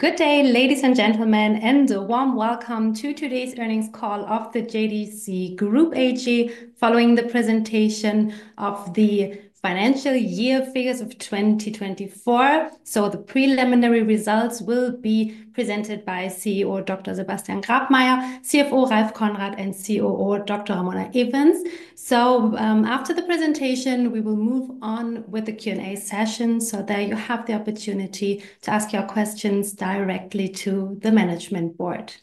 Good day, ladies and gentlemen, and a warm welcome to today's earnings call of the JDC Group AG following the presentation of the financial year figures of 2024. The preliminary results will be presented by CEO Dr. Sebastian Grabmaier, CFO Ralph Konrad, and COO Dr. Ramona Evens. After the presentation, we will move on with the Q&A session. There you have the opportunity to ask your questions directly to the management board.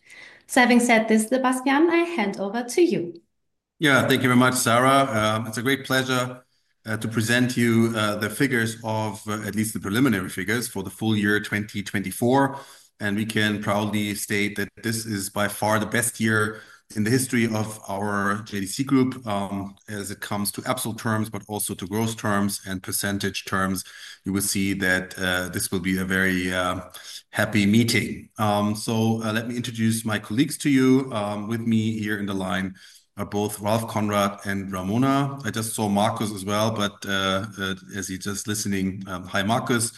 Having said this, Sebastian, I hand over to you. Yeah, thank you very much, Sarah. It's a great pleasure to present to you the figures of, at least the preliminary figures for the full year 2024. We can proudly state that this is by far the best year in the history of our JDC Group as it comes to absolute terms, but also to gross terms and percentage terms. You will see that this will be a very happy meeting. Let me introduce my colleagues to you. With me here in the line are both Ralph Konrad and Ramona. I just saw Markus as well, but as you're just listening, hi Markus,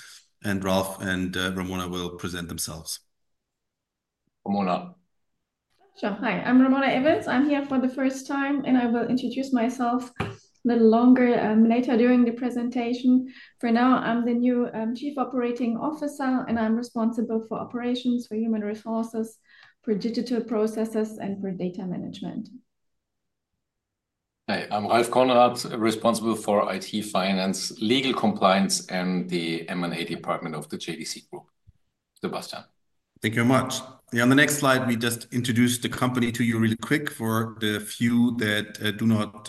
and Ralph and Ramona will present themselves. Ramona. Sure. Hi, I'm Ramona Evens. I'm here for the first time, and I will introduce myself a little longer later during the presentation. For now, I'm the new Chief Operating Officer, and I'm responsible for operations, for human resources, for digital processes, and for data management. Hi, I'm Ralph Konrad, responsible for IT, finance, legal compliance, and the M&A department of the JDC Group. Sebastian. Thank you very much. Yeah, on the next slide, we just introduced the company to you really quick for the few that do not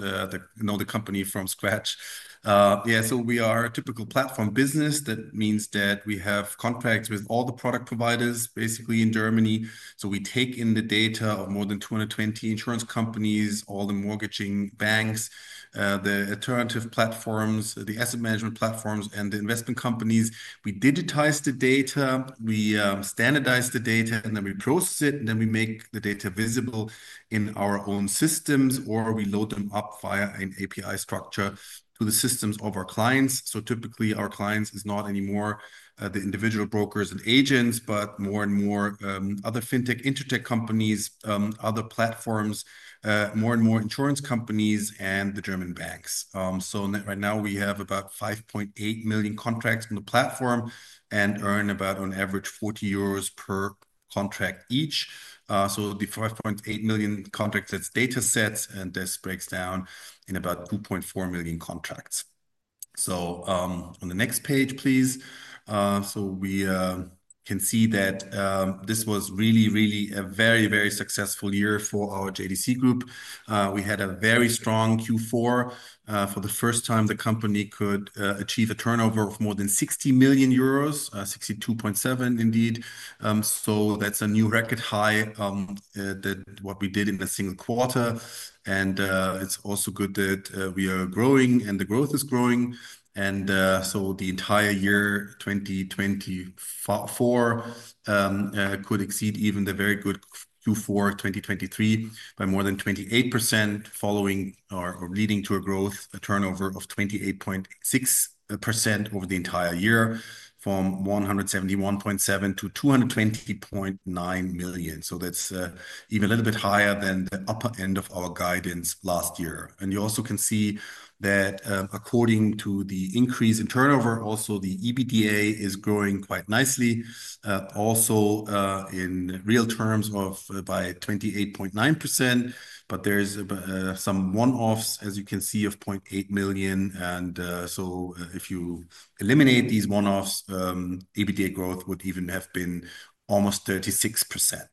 know the company from scratch. Yeah, we are a typical platform business. That means that we have contracts with all the product providers basically in Germany. We take in the data of more than 220 insurance companies, all the mortgaging banks, the alternative platforms, the asset management platforms, and the investment companies. We digitize the data, we standardize the data, and then we process it, and then we make the data visible in our own systems, or we load them up via an API structure to the systems of our clients. Typically our clients are not anymore the individual brokers and agents, but more and more other FinTech InsurTech companies, other platforms, more and more insurance companies, and the German banks. Right now we have about 5.8 million contracts on the platform and earn about on average 40 euros per contract each. The 5.8 million contracts, that's data sets, and this breaks down in about 2.4 million contracts. On the next page, please. We can see that this was really, really a very, very successful year for our JDC Group. We had a very strong Q4. For the first time, the company could achieve a turnover of more than 60 million euros, 62.7 million indeed. That's a new record high that what we did in the single quarter. It is also good that we are growing and the growth is growing. The entire year 2024 could exceed even the very good Q4 2023 by more than 28%, following or leading to a growth turnover of 28.6% over the entire year from 171.7 million to 220.9 million. That is even a little bit higher than the upper end of our guidance last year. You also can see that according to the increase in turnover, also the EBITDA is growing quite nicely. Also in real terms of by 28.9%, but there are some one-offs, as you can see, of 0.8 million. If you eliminate these one-offs, EBITDA growth would even have been almost 36%.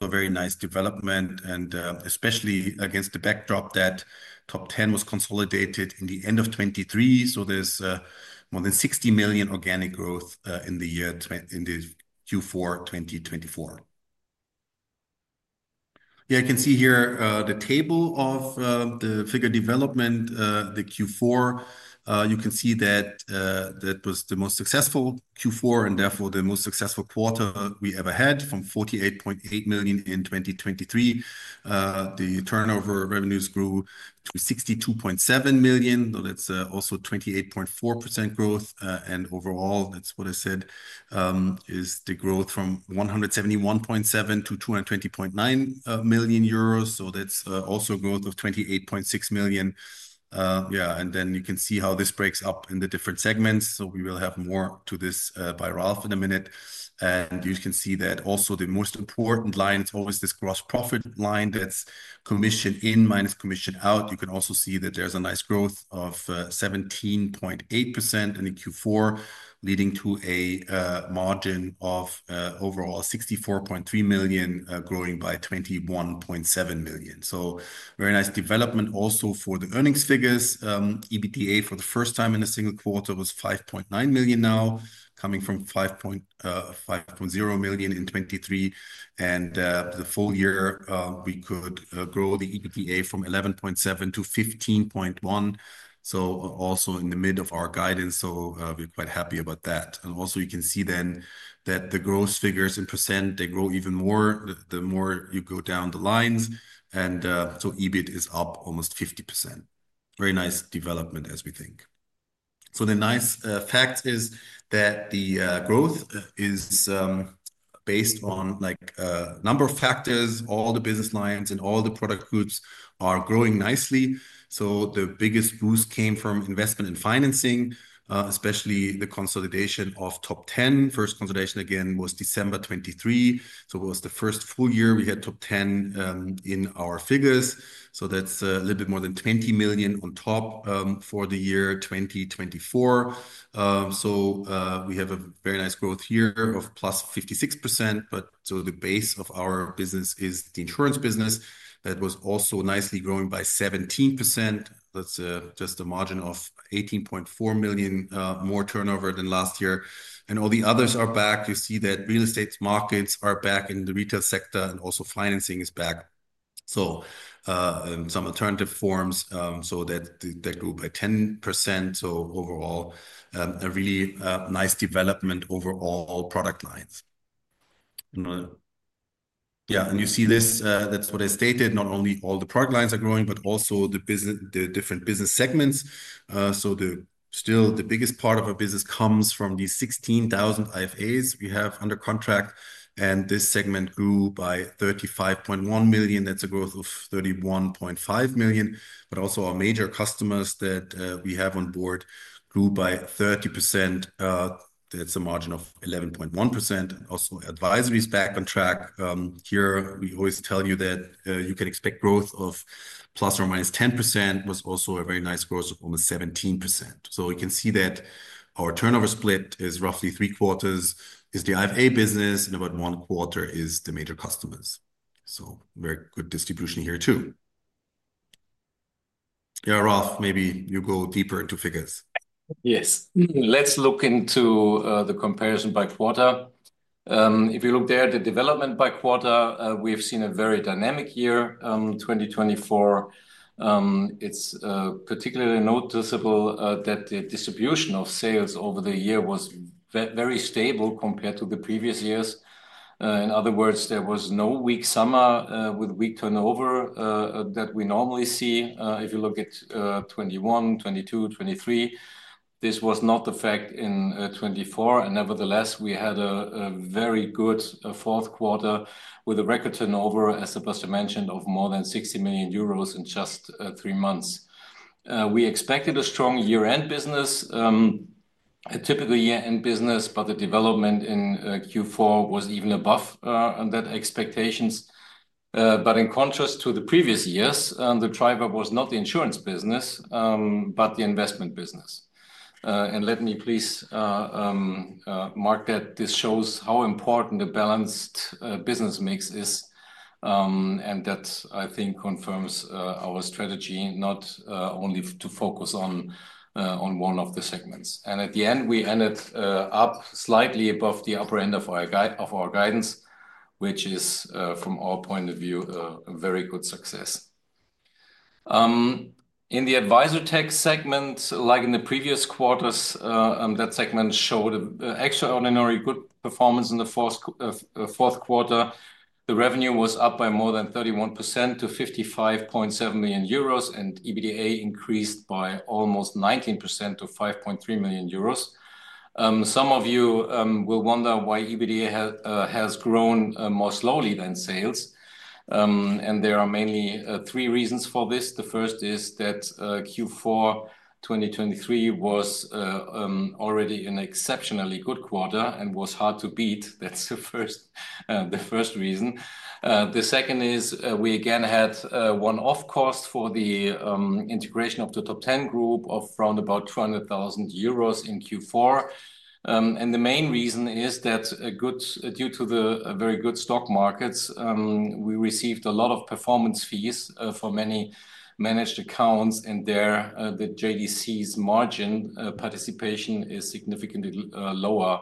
A very nice development, and especially against the backdrop that Top Ten Group was consolidated in the end of 2023. There is more than 60 million organic growth in the year in the Q4 2024. You can see here the table of the figure development, the Q4. You can see that that was the most successful Q4 and therefore the most successful quarter we ever had from 48.8 million in 2023. The turnover revenues grew to 62.7 million. That's also 28.4% growth. Overall, that's what I said is the growth from 171.7 million to 220.9 million euros. That's also a growth of 28.6 million. Yeah. You can see how this breaks up in the different segments. We will have more to this by Ralph in a minute. You can see that also the most important line, it's always this gross profit line, that's commission in minus commission out. You can also see that there's a nice growth of 17.8% in the Q4, leading to a margin of overall 64.3 million, growing by 21.7 million. Very nice development also for the earnings figures. EBITDA for the first time in a single quarter was 5.9 million now, coming from 5.0 million in 2023. The full year we could grow the EBITDA from 11.7 million to 15.1 million. Also in the mid of our guidance. We're quite happy about that. You can see then that the growth figures in %, they grow even more the more you go down the lines. EBIT is up almost 50%. Very nice development as we think. The nice fact is that the growth is based on a number of factors. All the business lines and all the product groups are growing nicely. The biggest boost came from investment and financing, especially the consolidation of Top Ten Group. First consolidation again was December 2023. It was the first full year we had Top Ten Group in our figures. That is a little bit more than 20 million on top for the year 2024. We have a very nice growth here of plus 56%. The base of our business is the insurance business. That was also nicely growing by 17%. That's just a margin of 18.4 million more turnover than last year. All the others are back. You see that real estate markets are back in the retail sector and also financing is back. Some alternative forms so that they grew by 10%. Overall a really nice development over all product lines. Yeah. You see this, that's what I stated, not only all the product lines are growing, but also the different business segments. Still the biggest part of our business comes from the 16,000 IFAs we have under contract. This segment grew by 35.1 million. That's a growth of 31.5 million. Also our major customers that we have on board grew by 30%. That's a margin of EUR 11.1%. Also advisory is back on track. Here we always tell you that you can expect growth of plus or minus 10%. It was also a very nice growth of almost 17%. You can see that our turnover split is roughly three quarters is the IFA business and about one quarter is the major customers. Very good distribution here too. Yeah, Ralph, maybe you go deeper into figures. Yes. Let's look into the comparison by quarter. If you look there at the development by quarter, we've seen a very dynamic year 2024. It's particularly noticeable that the distribution of sales over the year was very stable compared to the previous years. In other words, there was no weak summer with weak turnover that we normally see. If you look at 2021, 2022, 2023, this was not the fact in 2024. Nevertheless, we had a very good Fourth Quarter with a record turnover as Sebastian mentioned of more than 60 million euros in just three months. We expected a strong year-end business, a typical year-end business, but the development in Q4 was even above that expectations. In contrast to the previous years, the driver was not the insurance business, but the investment business. Let me please mark that this shows how important a balanced business mix is. I think that confirms our strategy not only to focus on one of the segments. At the end, we ended up slightly above the upper end of our guidance, which is from our point of view a very good success. In the Advisortech segment, like in the previous quarters, that segment showed extraordinary good performance in the Fourth Quarter. The revenue was up by more than 31% to 55.7 million euros and EBITDA increased by almost 19% to 5.3 million euros. Some of you will wonder why EBITDA has grown more slowly than sales. There are mainly three reasons for this. The first is that Q4 2023 was already an exceptionally good quarter and was hard to beat. That is the first reason. The second is we again had one-off cost for the Top Ten Group of around about 200,000 euros in Q4. The main reason is that due to the very good stock markets, we received a lot of performance fees for many managed accounts and there the JDC's margin participation is significantly lower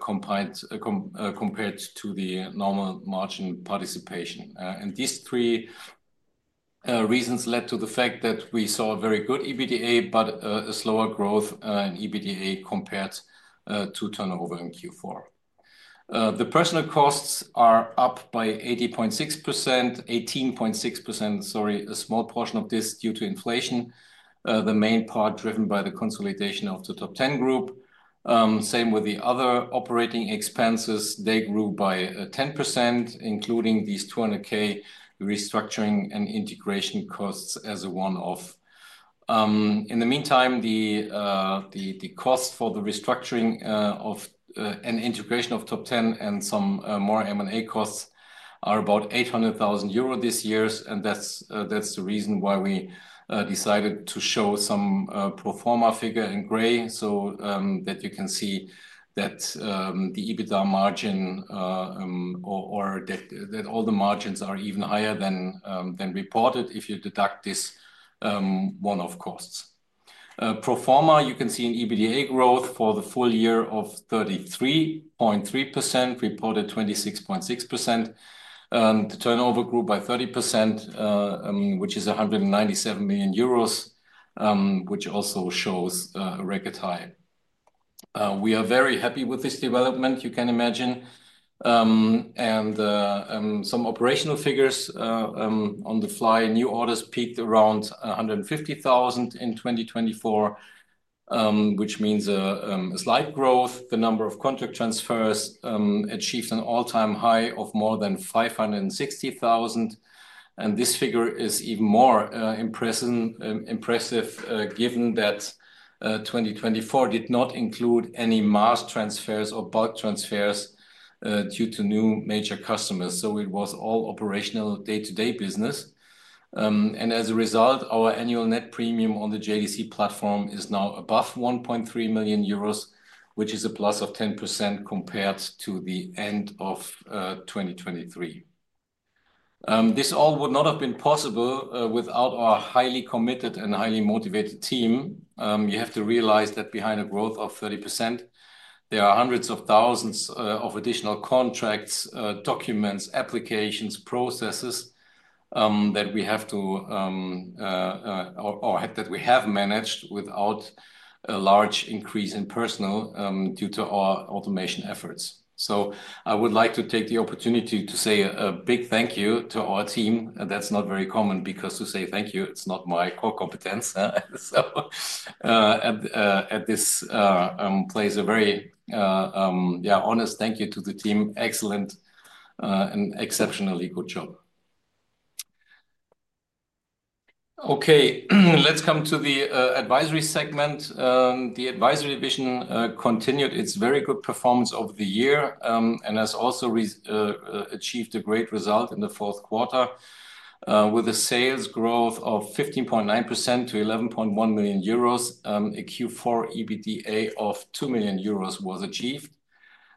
compared to the normal margin participation. These three reasons led to the fact that we saw a very good EBITDA, but a slower growth in EBITDA compared to turnover in Q4. The personnel costs are up by 18.6%, sorry, a small portion of this due to inflation. The main part driven by the consolidation Top Ten Group. same with the other operating expenses. They grew by 10%, including these 200,000 restructuring and integration costs as a one-off. In the meantime, the cost for the restructuring and integration of Top Ten Group and some more M&A costs are about 800,000 euro this year. That is the reason why we decided to show some Pro forma figure in gray so that you can see that the EBITDA margin or that all the margins are even higher than reported if you deduct this one-off costs. Pro forma, you can see an EBITDA growth for the full year of 33.3%, reported 26.6%. The turnover grew by 30%, which is 197 million euros, which also shows a record high. We are very happy with this development, you can imagine. Some operational figures on the fly, new orders peaked around 150,000 in 2024, which means a slight growth. The number of contract transfers achieved an all-time high of more than 560,000. This figure is even more impressive given that 2024 did not include any mass transfers or bulk transfers due to new major customers. It was all operational day-to-day business. As a result, our annual net premium on the JDC platform is now above 1.3 million euros, which is a plus of 10% compared to the end of 2023. This all would not have been possible without our highly committed and highly motivated team. You have to realize that behind a growth of 30%, there are hundreds of thousands of additional contracts, documents, applications, processes that we have to or that we have managed without a large increase in personnel due to our automation efforts. I would like to take the opportunity to say a big thank you to our team. That is not very common because to say thank you, it is not my core competence. At this place, a very honest thank you to the team. Excellent and exceptionally good job. Okay, let's come to the advisory segment. The advisory division continued its very good performance over the year and has also achieved a great result in the Fourth Quarter with a sales growth of 15.9% to 11.1 million euros. A Q4 EBITDA of 2 million euros was achieved.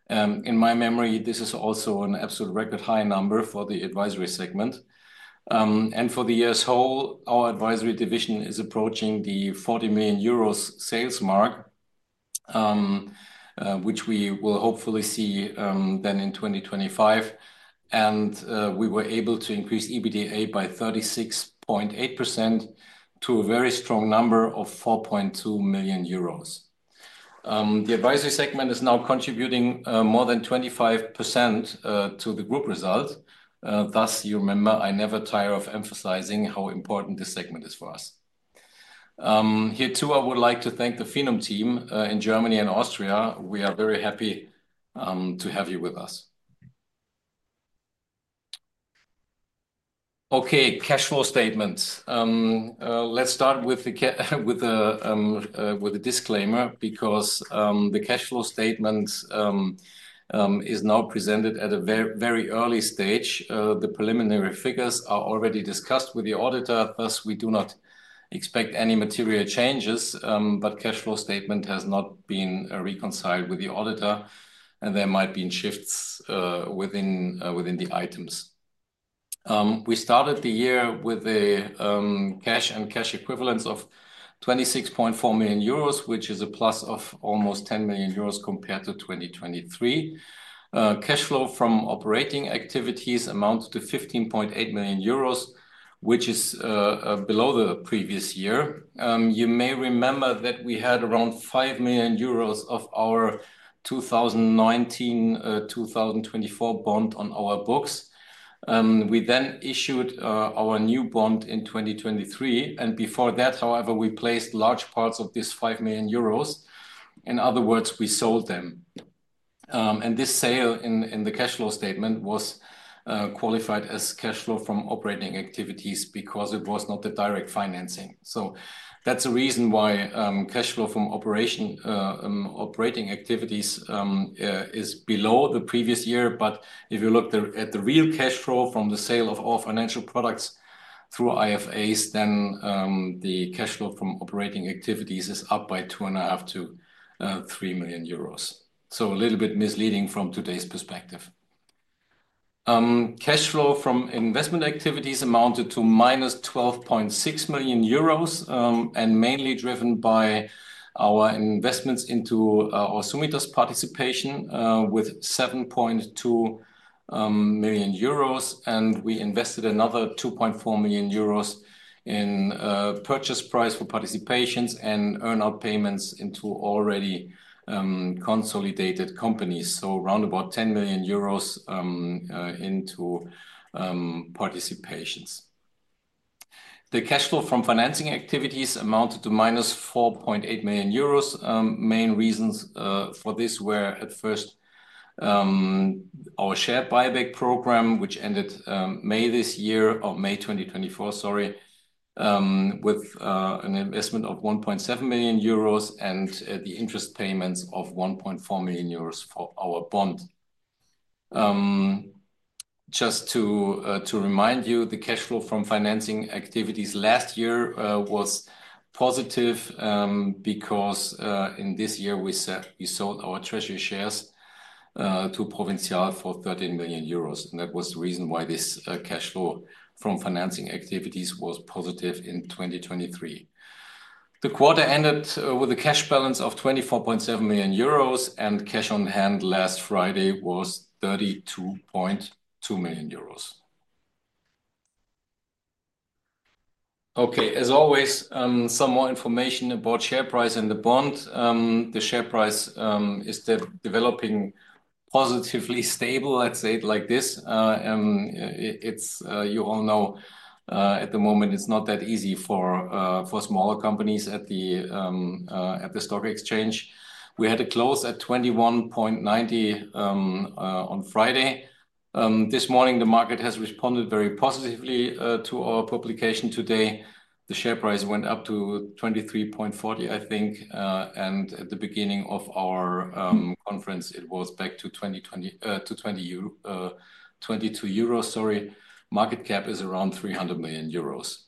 In my memory, this is also an absolute record high number for the advisory segment. For the year's whole, our advisory division is approaching the 40 million euros sales mark, which we will hopefully see then in 2025. We were able to increase EBITDA by 36.8% to a very strong number of 4.2 million euros. The advisory segment is now contributing more than 25% to the group result. You remember I never tire of emphasizing how important this segment is for us. Here too, I would like to thank the FiNUM team in Germany and Austria. We are very happy to have you with us. Okay, cash flow statements. Let's start with a disclaimer because the cash flow statement is now presented at a very early stage. The preliminary figures are already discussed with the auditor. Thus, we do not expect any material changes, but the cash flow statement has not been reconciled with the auditor and there might be shifts within the items. We started the year with a cash and cash equivalence of 26.4 million euros, which is a plus of almost 10 million euros compared to 2023. Cash flow from operating activities amounted to 15.8 million euros, which is below the previous year. You may remember that we had around 5 million euros of our 2019-2024 bond on our books. We issued our new bond in 2023. Before that, however, we placed large parts of this 5 million euros. In other words, we sold them. This sale in the cash flow statement was qualified as cash flow from operating activities because it was not the direct financing. That is a reason why cash flow from operating activities is below the previous year. If you look at the real cash flow from the sale of all financial products through IFAs, then the cash flow from operating activities is up by 2.5 million-3 million euros. A little bit misleading from today's perspective. Cash flow from investment activities amounted to -12.6 million euros and was mainly driven by our investments into our Summitas participation with 7.2 million euros. We invested another 2.4 million euros in purchase price for participations and earn-out payments into already consolidated companies. Around 10 million euros into participations. The cash flow from financing activities amounted to -4.8 million euros. Main reasons for this were at first our share buyback program, which ended May this year or May 2024, sorry, with an investment of 1.7 million euros and the interest payments of 1.4 million euros for our bond. Just to remind you, the cash flow from financing activities last year was positive because in this year we sold our treasury shares to Provinzial for 13 million euros. That was the reason why this cash flow from financing activities was positive in 2023. The quarter ended with a cash balance of 24.7 million euros and cash on hand last Friday was 32.2 million euros. Okay, as always, some more information about share price and the bond. The share price is developing positively stable. Let's say it like this. You all know at the moment it's not that easy for smaller companies at the stock exchange. We had a close at 21.90 on Friday. This morning, the market has responded very positively to our publication today. The share price went up to 23.40, I think. At the beginning of our conference, it was back to 22 euros. Sorry, market cap is around 300 million euros.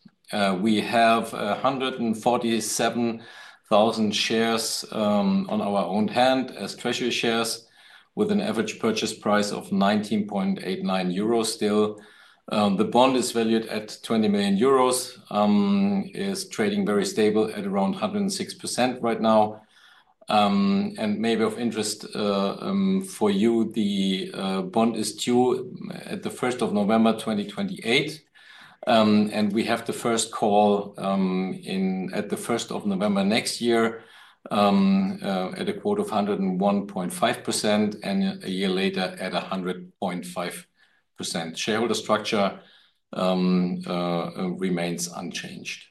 We have 147,000 shares on our own hand as treasury shares with an average purchase price of 19.89 euros still. The bond is valued at 20 million euros, is trading very stable at around 106% right now. Maybe of interest for you, the bond is due at the 1st of November 2028. We have the first call at the 1st of November next year at a quote of 101.5% and a year later at 100.5%. Shareholder structure remains unchanged.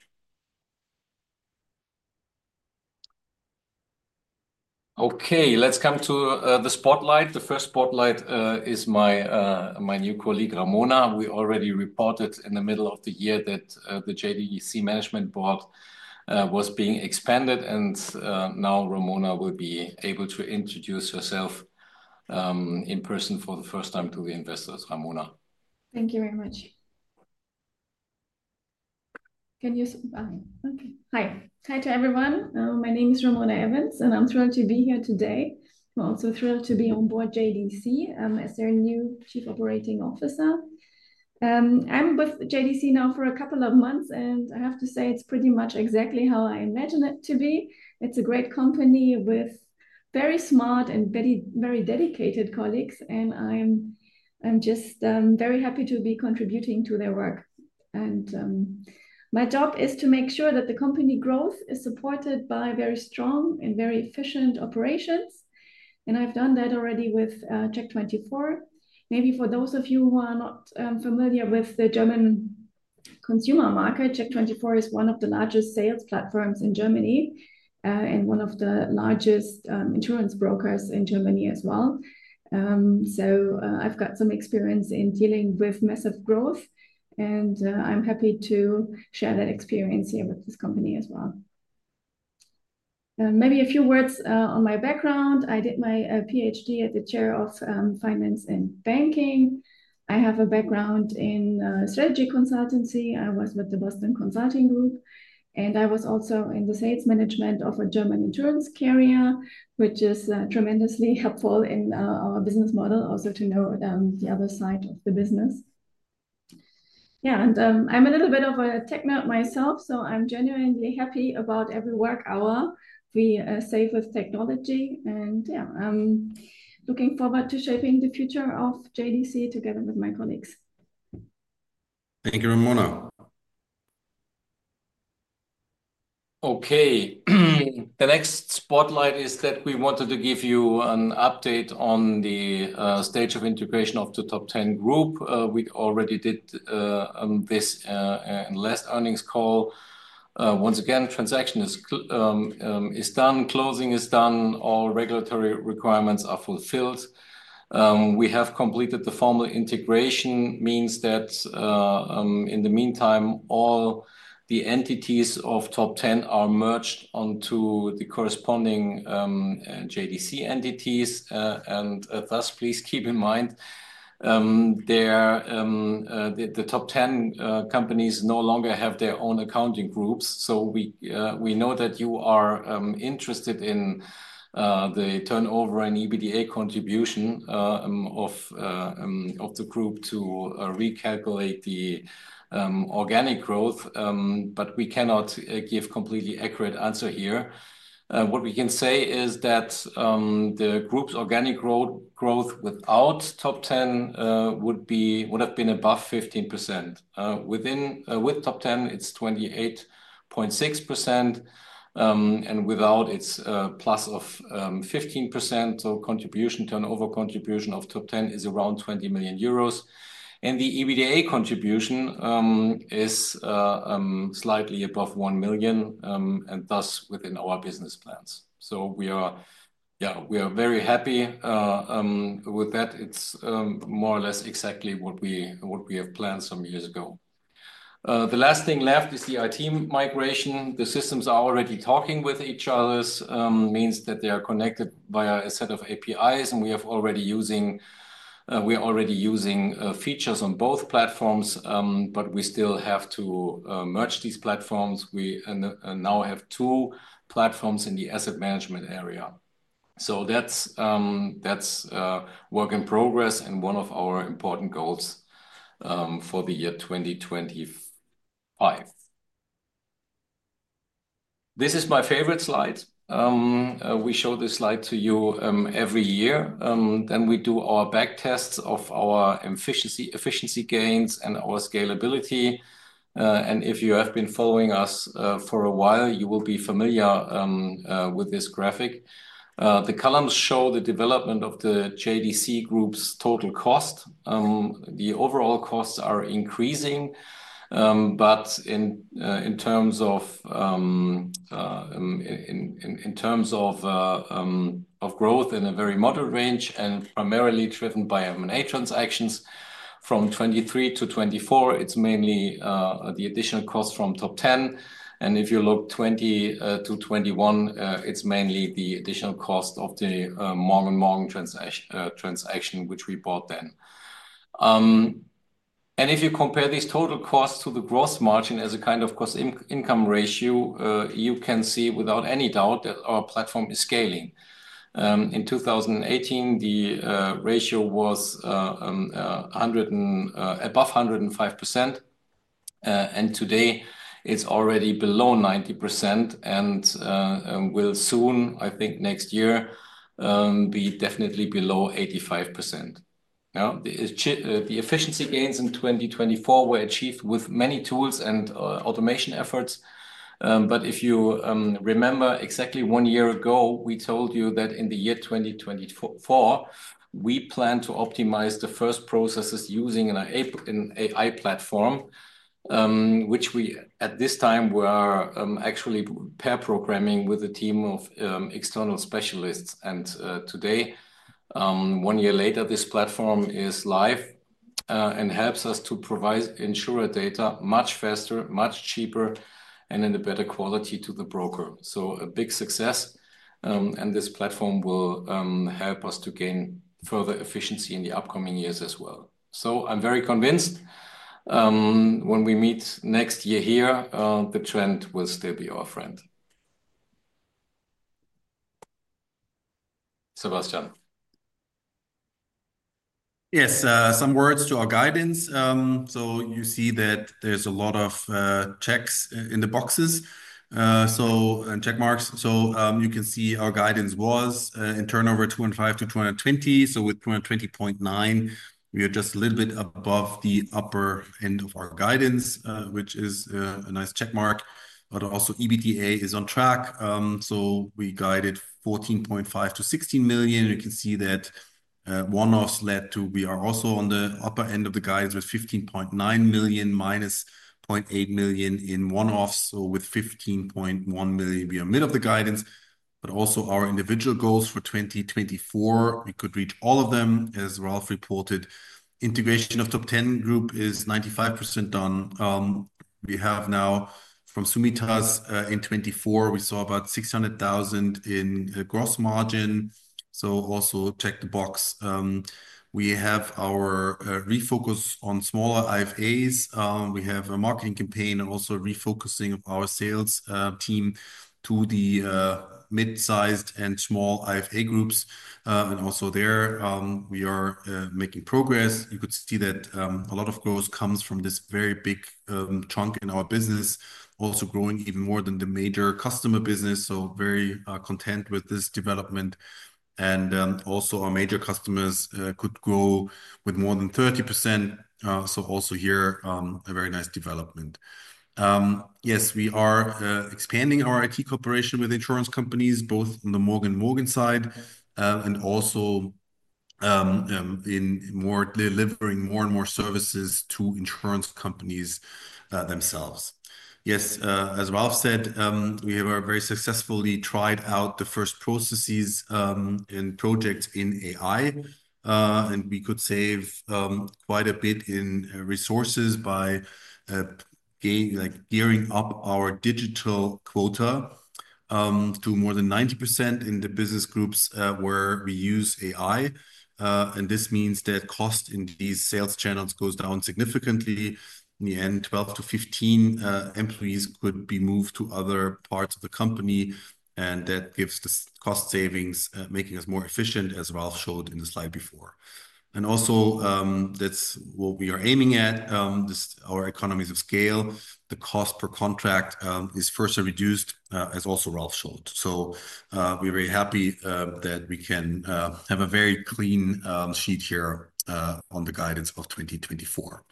Okay, let's come to the spotlight. The first spotlight is my new colleague, Ramona. We already reported in the middle of the year that the JDC Management Board was being expanded. Now Ramona will be able to introduce herself in person for the first time to the investors. Thank you very much. Okay, hi. Hi to everyone. My name is Ramona Evens, and I'm thrilled to be here today. I'm also thrilled to be on board JDC as their new Chief Operating Officer. I'm with JDC now for a couple of months, and I have to say it's pretty much exactly how I imagine it to be. It's a great company with very smart and very dedicated colleagues, and I'm just very happy to be contributing to their work. My job is to make sure that the company growth is supported by very strong and very efficient operations. I've done that already with CHECK24. Maybe for those of you who are not familiar with the German consumer market, CHECK24 is one of the largest sales platforms in Germany and one of the largest insurance brokers in Germany as well. I have got some experience in dealing with massive growth, and I am happy to share that experience here with this company as well. Maybe a few words on my background. I did my PhD at the Chair of Finance and Banking. I have a background in strategy consultancy. I was with the Boston Consulting Group, and I was also in the sales management of a German insurance carrier, which is tremendously helpful in our business model, also to know the other side of the business. Yeah, and I am a little bit of a tech nerd myself, so I am genuinely happy about every work hour we save with technology. Yeah, I'm looking forward to shaping the future of JDC together with my colleagues. Thank you, Ramona. The next spotlight is that we wanted to give you an update on the stage of integration Top Ten Group. we already did this in the last earnings call. Once again, transaction is done, closing is done, all regulatory requirements are fulfilled. We have completed the formal integration, which means that in the meantime, all the entities of Top Ten Group are merged onto the corresponding JDC entities. Please keep in mind the Top Ten Group companies no longer have their own accounting groups. We know that you are interested in the turnover and EBITDA contribution of the group to recalculate the organic growth, but we cannot give a completely accurate answer here. What we can say is that the group's organic growth without Top Ten Group would have been above 15%. With Top Ten Group, it's 28.6%, and without, it's plus of 15%. Contribution, turnover contribution of Top Ten Group is around 20 million euros. The EBITDA contribution is slightly above 1 million, and thus within our business plans. Yeah, we are very happy with that. It's more or less exactly what we have planned some years ago. The last thing left is the IT migration. The systems are already talking with each other, means that they are connected via a set of APIs, and we are already using features on both platforms, but we still have to merge these platforms. We now have two platforms in the asset management area. That's work in progress and one of our important goals for the year 2025. This is my favorite slide. We show this slide to you every year. We do our back tests of our efficiency gains and our scalability. If you have been following us for a while, you will be familiar with this graphic. The columns show the development of the JDC Group's total cost. The overall costs are increasing, but in terms of growth in a very moderate range and primarily driven by M&A transactions. From 2023 to 2024, it's mainly the additional cost from Top Ten Group. If you look 2020 to 2021, it's mainly the additional cost of the Morgen & Morgen transaction, which we bought then. If you compare these total costs to the gross margin as a kind of cost-income ratio, you can see without any doubt that our platform is scaling. In 2018, the ratio was above 105%, and today it's already below 90% and will soon, I think next year, be definitely below 85%. The efficiency gains in 2024 were achieved with many tools and automation efforts. If you remember exactly one year ago, we told you that in the year 2024, we plan to optimize the first processes using an AI platform, which we at this time were actually pair programming with a team of external specialists. Today, one year later, this platform is live and helps us to provide insurer data much faster, much cheaper, and in a better quality to the broker. A big success. This platform will help us to gain further efficiency in the upcoming years as well. I am very convinced when we meet next year here, the trend will still be our friend. Sebastian. Yes, some words to our guidance. You see that there's a lot of checks in the boxes, so checkmarks. You can see our guidance was in turnover 205 million-220 million. With 220.9 million, we are just a little bit above the upper end of our guidance, which is a nice checkmark. Also, EBITDA is on track. We guided 14.5 million-16 million. You can see that one-offs led to we are also on the upper end of the guidance with 15.9 million minus 0.8 million in one-offs. With 15.1 million, we are mid of the guidance. Also, our individual goals for 2024, we could reach all of them as Ralph reported. Top Ten Group is 95% done. We have now from Summitas in 2024, we saw about 600,000 in gross margin. Also check the box. We have our refocus on smaller IFAs. We have a marketing campaign and also refocusing of our sales team to the mid-sized and small IFA groups. There, we are making progress. You could see that a lot of growth comes from this very big chunk in our business, also growing even more than the major customer business. Very content with this development. Our major customers could grow with more than 30%. Here, a very nice development. Yes, we are expanding our IT cooperation with insurance companies, both on the Morgen & Morgen side and also in more delivering more and more services to insurance companies themselves. Yes, as Ralph Konrad said, we have very successfully tried out the first processes and projects in AI. We could save quite a bit in resources by gearing up our digital quota to more than 90% in the business groups where we use AI. This means that cost in these sales channels goes down significantly. In the end, 12-15 employees could be moved to other parts of the company. That gives the cost savings, making us more efficient, as Ralph showed in the slide before. That is what we are aiming at, our economies of scale. The cost per contract is further reduced, as also Ralph showed. We are very happy that we can have a very clean sheet here on the guidance of 2024.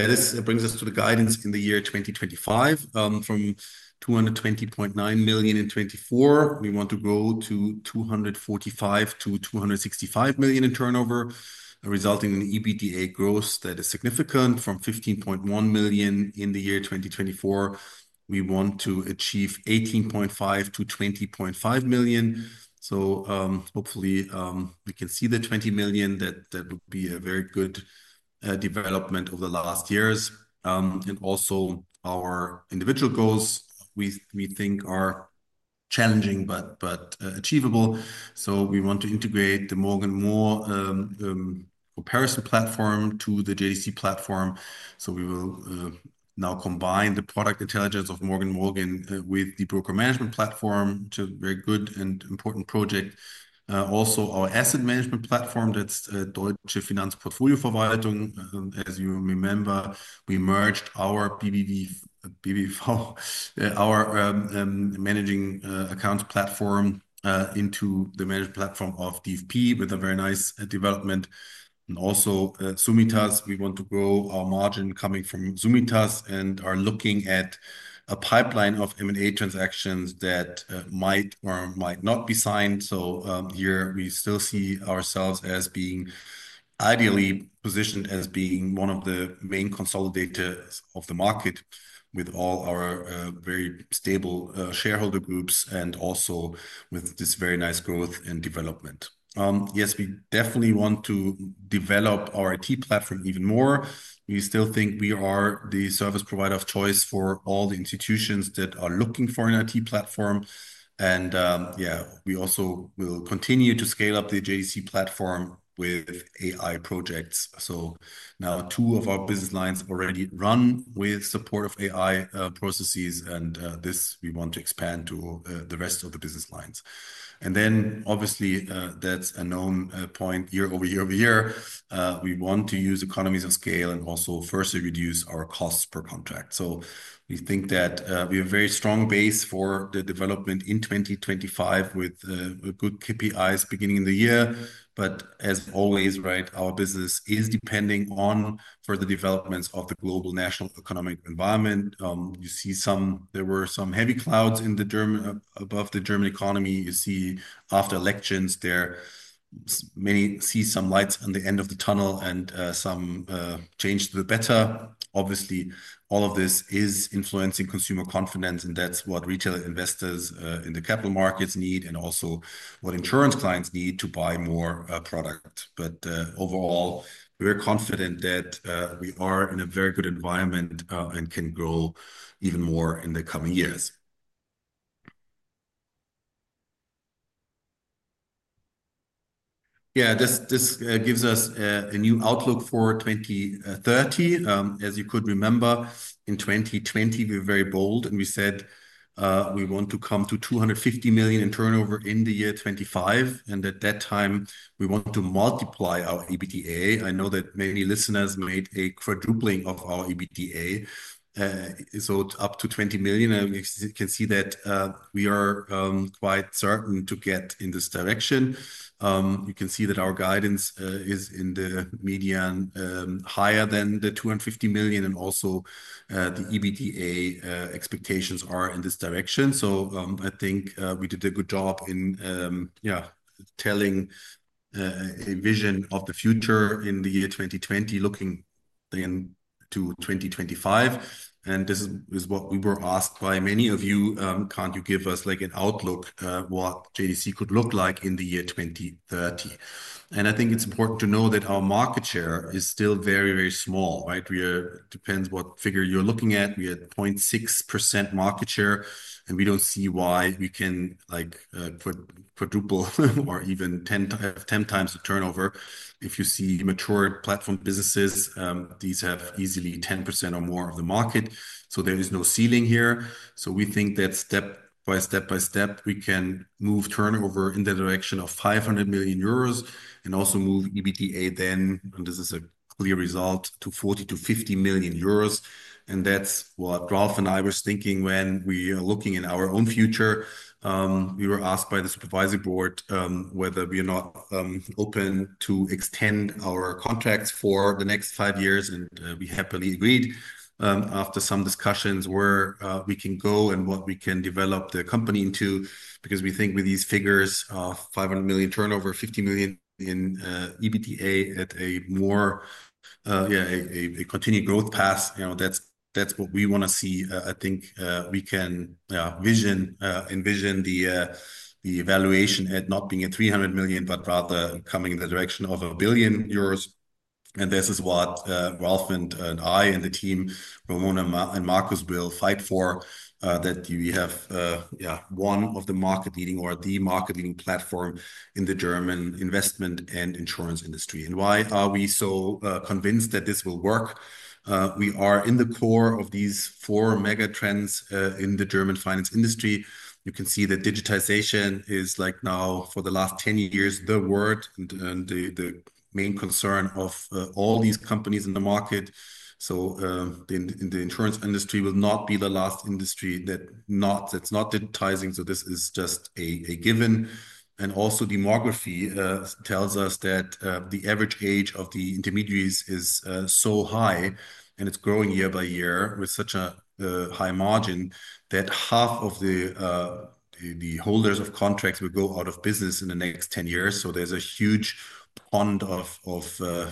This brings us to the guidance in the year 2025. From 220.9 million in 2024, we want to grow to 245-265 million in turnover, resulting in EBITDA growth that is significant from 15.1 million in the year 2024. We want to achieve 18.5 million- 20.5 million. Hopefully we can see the 20 million, that would be a very good development of the last years. Also our individual goals, we think are challenging but achievable. We want to Morgen & Morgen comparison platform to the JDC Platform. We will now combine the product Morgen & Morgen with the broker management platform to a very good and important project. Also our asset management platform, that's Deutsche Finanz Portfolioverwaltung. As you remember, we merged our managed accounts platform into the management platform of DFP with a very nice development. Also, Summitas, we want to grow our margin coming from Summitas and are looking at a pipeline of M&A transactions that might or might not be signed. Here we still see ourselves as being ideally positioned as being one of the main consolidators of the market with all our very stable shareholder groups and also with this very nice growth and development. Yes, we definitely want to develop our IT platform even more. We still think we are the service provider of choice for all the institutions that are looking for an IT platform. Yeah, we also will continue to scale up the JDC platform with AI projects. Now, two of our business lines already run with support of AI processes, and this we want to expand to the rest of the business lines. Obviously, that's a known point year over year over year. We want to use economies of scale and also further reduce our costs per contract. We think that we have a very strong base for the development in 2025 with good KPIs beginning in the year. As always, right, our business is depending on further developments of the global national economic environment. You see some, there were some heavy clouds above the German economy. You see after elections, there many see some lights on the end of the tunnel and some change to the better. Obviously, all of this is influencing consumer confidence, and that's what retail investors in the capital markets need and also what insurance clients need to buy more product. Overall, we're confident that we are in a very good environment and can grow even more in the coming years. Yeah, this gives us a new outlook for 2030. As you could remember, in 2020, we were very bold and we said we want to come to 250 million in turnover in the year 2025. At that time, we want to multiply our EBITDA. I know that many listeners made a quadrupling of our EBITDA, so up to 20 million. You can see that we are quite certain to get in this direction. You can see that our guidance is in the median higher than the 250 million, and also the EBITDA expectations are in this direction. I think we did a good job in, yeah, telling a vision of the future in the year 2020, looking then to 2025. This is what we were asked by many of you, can't you give us like an outlook what JDC could look like in the year 2030? I think it's important to know that our market share is still very, very small, right? It depends what figure you're looking at. We had 0.6% market share, and we don't see why we can quadruple or even 10x the turnover. If you see mature platform businesses, these have easily 10% or more of the market. There is no ceiling here. We think that step by step by step, we can move turnover in the direction of 500 million euros and also move EBITDA then, and this is a clear result, to 40 million-50 million euros. That's what Ralph and I were thinking when we are looking in our own future. We were asked by the supervisory board whether we are not open to extend our contracts for the next five years, and we happily agreed after some discussions where we can go and what we can develop the company into because we think with these figures of 500 million, turnover, 50 million in EBITDA at a more, yeah, a continued growth path, you know, that's what we want to see. I think we can envision the evaluation at not being at 300 million, but rather coming in the direction of 1 billion euros. This is what Ralph and I and the team, Ramona and Markus, will fight for, that we have, yeah, one of the market-leading or the market-leading platform in the German investment and insurance industry. Why are we so convinced that this will work? We are in the core of these four mega trends in the German finance industry. You can see that digitization is like now for the last 10 years the word and the main concern of all these companies in the market. In the insurance industry, it will not be the last industry that's not digitizing. This is just a given. Also, demography tells us that the average age of the intermediaries is so high and it's growing year by year with such a high margin that half of the holders of contracts will go out of business in the next 10 years. There is a huge pond of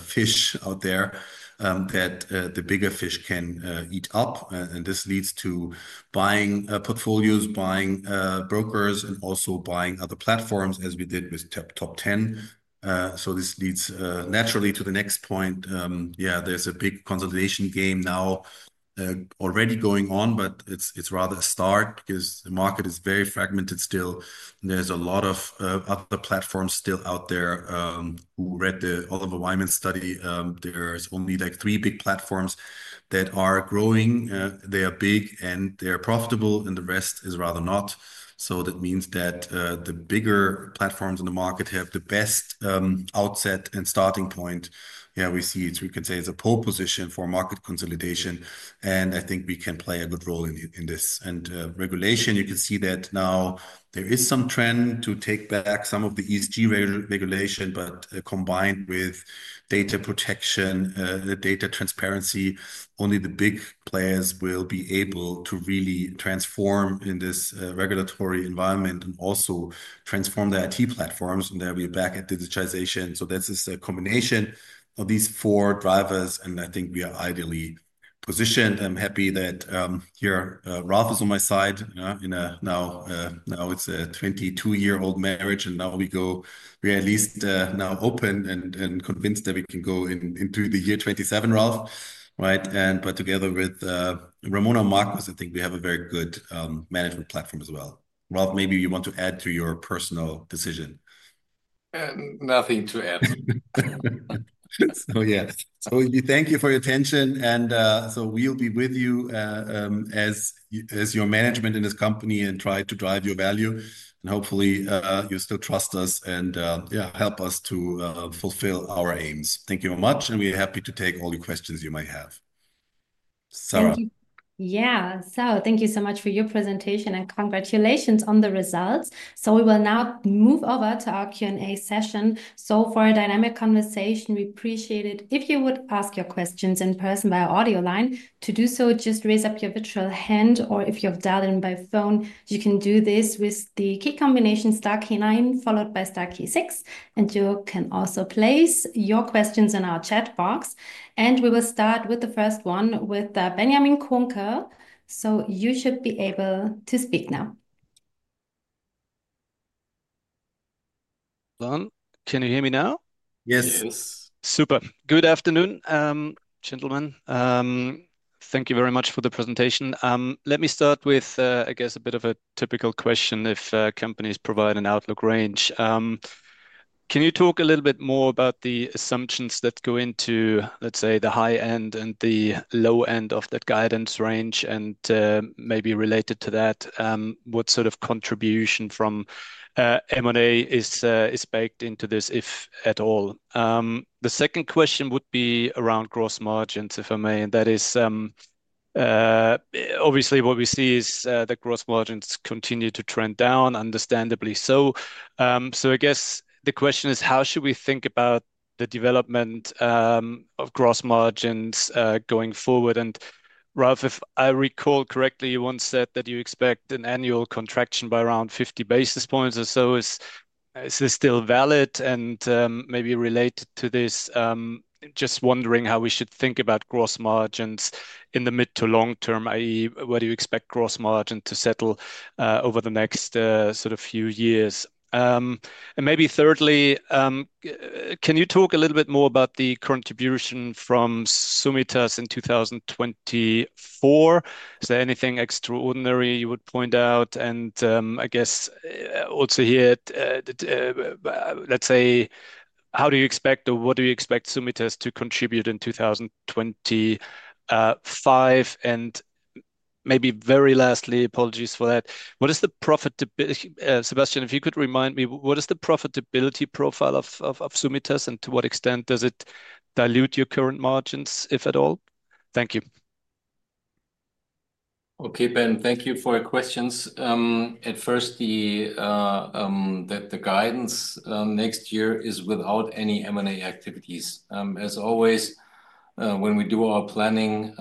fish out there that the bigger fish can eat up. This leads to buying portfolios, buying brokers, and also buying other platforms as we did with Top Ten Group. This leads naturally to the next point. Yeah, there's a big consolidation game now already going on, but it's rather a start because the market is very fragmented still. There's a lot of other platforms still out there. Who read the Oliver Wyman study? There's only like three big platforms that are growing. They are big and they're profitable, and the rest is rather not. That means that the bigger platforms in the market have the best outset and starting point. Yeah, we see it. We can say it's a pole position for market consolidation. I think we can play a good role in this. Regulation, you can see that now there is some trend to take back some of the ESG regulation, but combined with data protection, data transparency, only the big players will be able to really transform in this regulatory environment and also transform the IT platforms. We are back at digitization. This is a combination of these four drivers, and I think we are ideally positioned. I'm happy that Ralph is on my side now. Now it's a 22-year-old marriage, and we are at least now open and convinced that we can go into the year 2027, Ralph, right? Together with Ramona and Markus, I think we have a very good management platform as well. Ralph, maybe you want to add to your personal decision. Nothing to add. We thank you for your attention. We will be with you as your management in this company and try to drive your value. Hopefully you still trust us and help us to fulfill our aims. Thank you very much, and we're happy to take all your questions you might have. Sarah. Yeah, thank you so much for your presentation and congratulations on the results. We will now move over to our Q&A session. For a dynamic conversation, we appreciate it if you would ask your questions in person by audio line. To do so, just raise up your virtual hand, or if you've dialed in by phone, you can do this with the key combination star key 9 followed by star key 6. You can also place your questions in our chat box. We will start with the first one with Benjamin Kohnke. You should be able to speak now. Can you hear me now? Yes. Super. Good afternoon, gentlemen. Thank you very much for the presentation. Let me start with, I guess, a bit of a typical question if companies provide an outlook range. Can you talk a little bit more about the assumptions that go into, let's say, the high end and the low end of that guidance range and maybe related to that, what sort of contribution from M&A is baked into this, if at all? The second question would be around gross margins, if I may. That is, obviously what we see is that gross margins continue to trend down, understandably so. I guess the question is, how should we think about the development of gross margins going forward? Ralph, if I recall correctly, you once said that you expect an annual contraction by around 50 basis points or so. Is this still valid? Maybe related to this, just wondering how we should think about gross margins in the mid to long term, i.e., what do you expect gross margin to settle over the next sort of few years? Thirdly, can you talk a little bit more about the contribution from Summitas in 2024? Is there anything extraordinary you would point out? I guess also here, let's say, how do you expect or what do you expect Summitas to contribute in 2025? Very lastly, apologies for that, what is the profitability? Sebastian, if you could remind me, what is the profitability profile of Summitas and to what extent does it dilute your current margins, if at all? Thank you. Okay, Ben, thank you for your questions. At first, the guidance next year is without any M&A activities. As always, when we do our planning,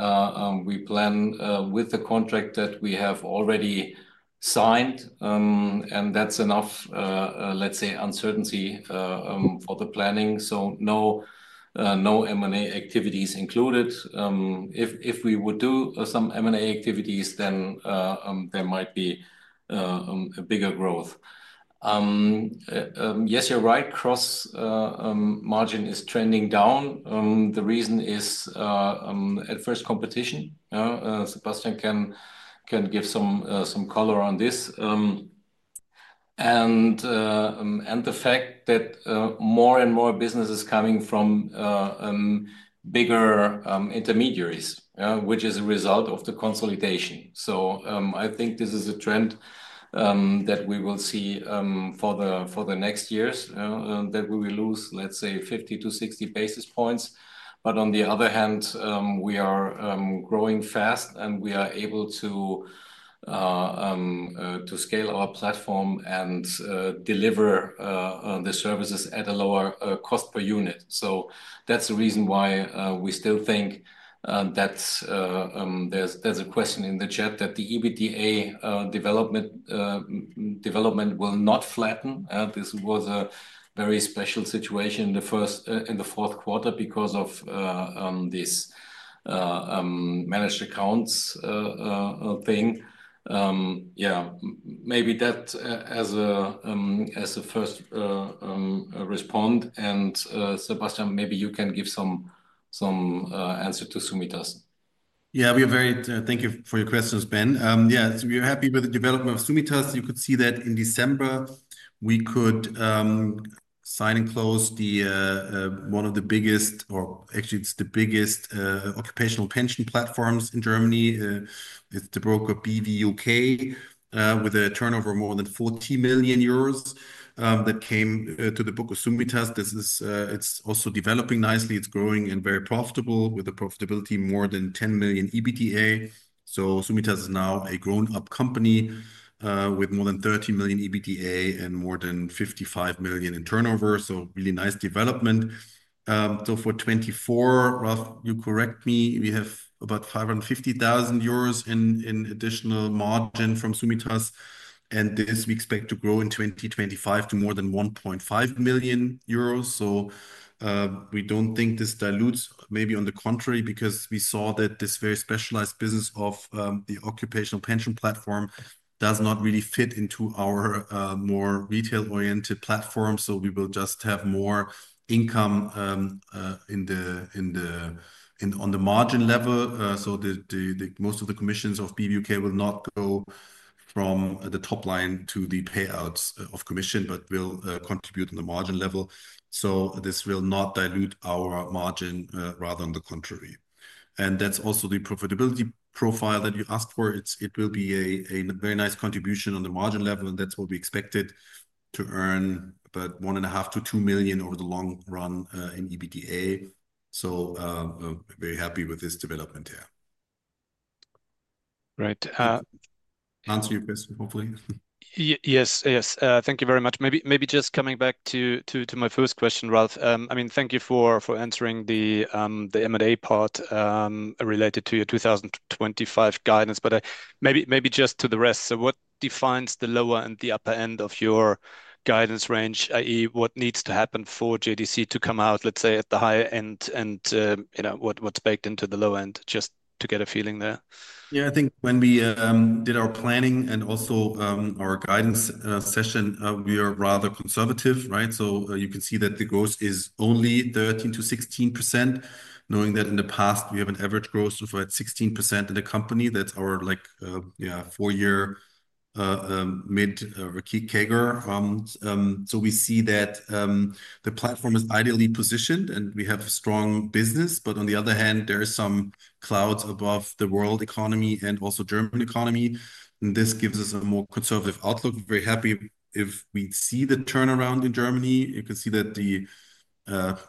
we plan with the contract that we have already signed, and that's enough, let's say, uncertainty for the planning. No M&A activities included. If we would do some M&A activities, then there might be a bigger growth. Yes, you're right, gross margin is trending down. The reason is at first competition. Sebastian can give some color on this. The fact that more and more business is coming from bigger intermediaries, which is a result of the consolidation. I think this is a trend that we will see for the next years that we will lose, let's say, 50-60 basis points. On the other hand, we are growing fast and we are able to scale our platform and deliver the services at a lower cost per unit. That is the reason why we still think that there is a question in the chat that the EBITDA development will not flatten. This was a very special situation in the Fourth Quarter because of this managed accounts thing. Yeah, maybe that as a first respond. Sebastian, maybe you can give some answer to Summitas. Yeah, we are very thank you for your questions, Ben. Yeah, we are happy with the development of Summitas. You could see that in December, we could sign and close one of the biggest, or actually it is the biggest occupational pension platforms in Germany. It is the broker BVUK with a turnover of more than 40 million euros that came to the book of Summitas. This is, it is also developing nicely. It is growing and very profitable with a profitability of more than 10 million EBITDA. Summitas is now a grown-up company with more than 30 million EBITDA and more than 55 million in turnover. Really nice development. For 2024, Ralph, you correct me, we have about 550,000 euros in additional margin from Summitas. We expect this to grow in 2025 to more than 1.5 million euros. We do not think this dilutes, maybe on the contrary, because we saw that this very specialized business of the occupational pension platform does not really fit into our more retail-oriented platform. We will just have more income in the margin level. Most of the commissions of BVUK will not go from the top line to the payouts of commission, but will contribute on the margin level. This will not dilute our margin, rather on the contrary. That is also the profitability profile that you asked for. It will be a very nice contribution on the margin level, and that's what we expected to earn about 1.5 million-2 million over the long run in EBITDA. Very happy with this development here. Right. Answer your question, hopefully. Yes, yes. Thank you very much. Maybe just coming back to my first question, Ralph. I mean, thank you for answering the M&A part related to your 2025 guidance, but maybe just to the rest. What defines the lower and the upper end of your guidance range, i.e., what needs to happen for JDC to come out, let's say, at the higher end and what's baked into the lower end just to get a feeling there? I think when we did our planning and also our guidance session, we are rather conservative, right? You can see that the growth is only 13-16%, knowing that in the past we have an average growth of about 16% in the company. That is our four-year mid or key CAGR. We see that the platform is ideally positioned and we have strong business, but on the other hand, there are some clouds above the world economy and also German economy. This gives us a more conservative outlook. Very happy if we see the turnaround in Germany. You can see that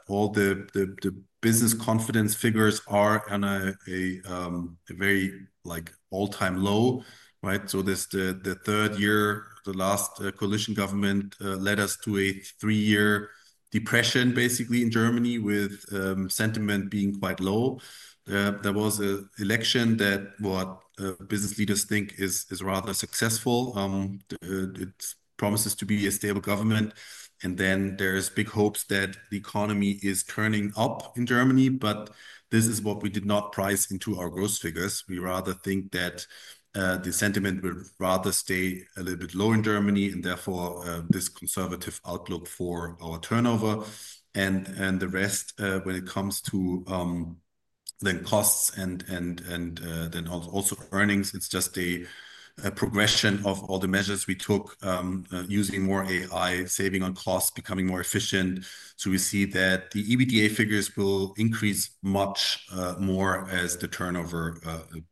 all the business confidence figures are on a very all-time low, right? This is the third year, the last coalition government led us to a three-year depression basically in Germany with sentiment being quite low. There was an election that what business leaders think is rather successful. It promises to be a stable government. There are big hopes that the economy is turning up in Germany, but this is what we did not price into our growth figures. We rather think that the sentiment will rather stay a little bit low in Germany and therefore this conservative outlook for our turnover. The rest, when it comes to costs and also earnings, is just a progression of all the measures we took using more AI, saving on costs, becoming more efficient. We see that the EBITDA figures will increase much more as the turnover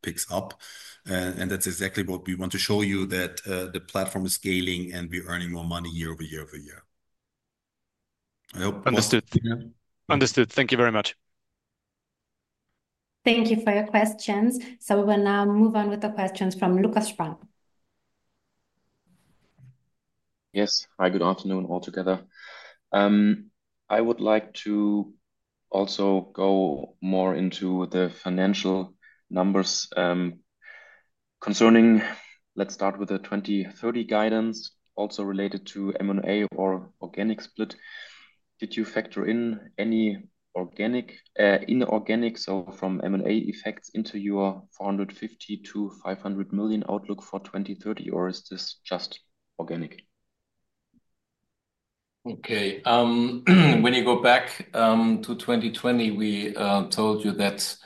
picks up. That is exactly what we want to show you, that the platform is scaling and we are earning more money year over year over year. I hope. Understood. Understood. Thank you very much. Thank you for your questions. We will now move on with the questions from Lucas Fremgen. Yes. Hi, good afternoon all together. I would like to also go more into the financial numbers concerning, let's start with the 2030 guidance, also related to M&A or organic split. Did you factor in any organic, inorganic, so from M&A effects into your 450 million-500 million outlook for 2030, or is this just organic? Okay. When you go back to 2020, we told you that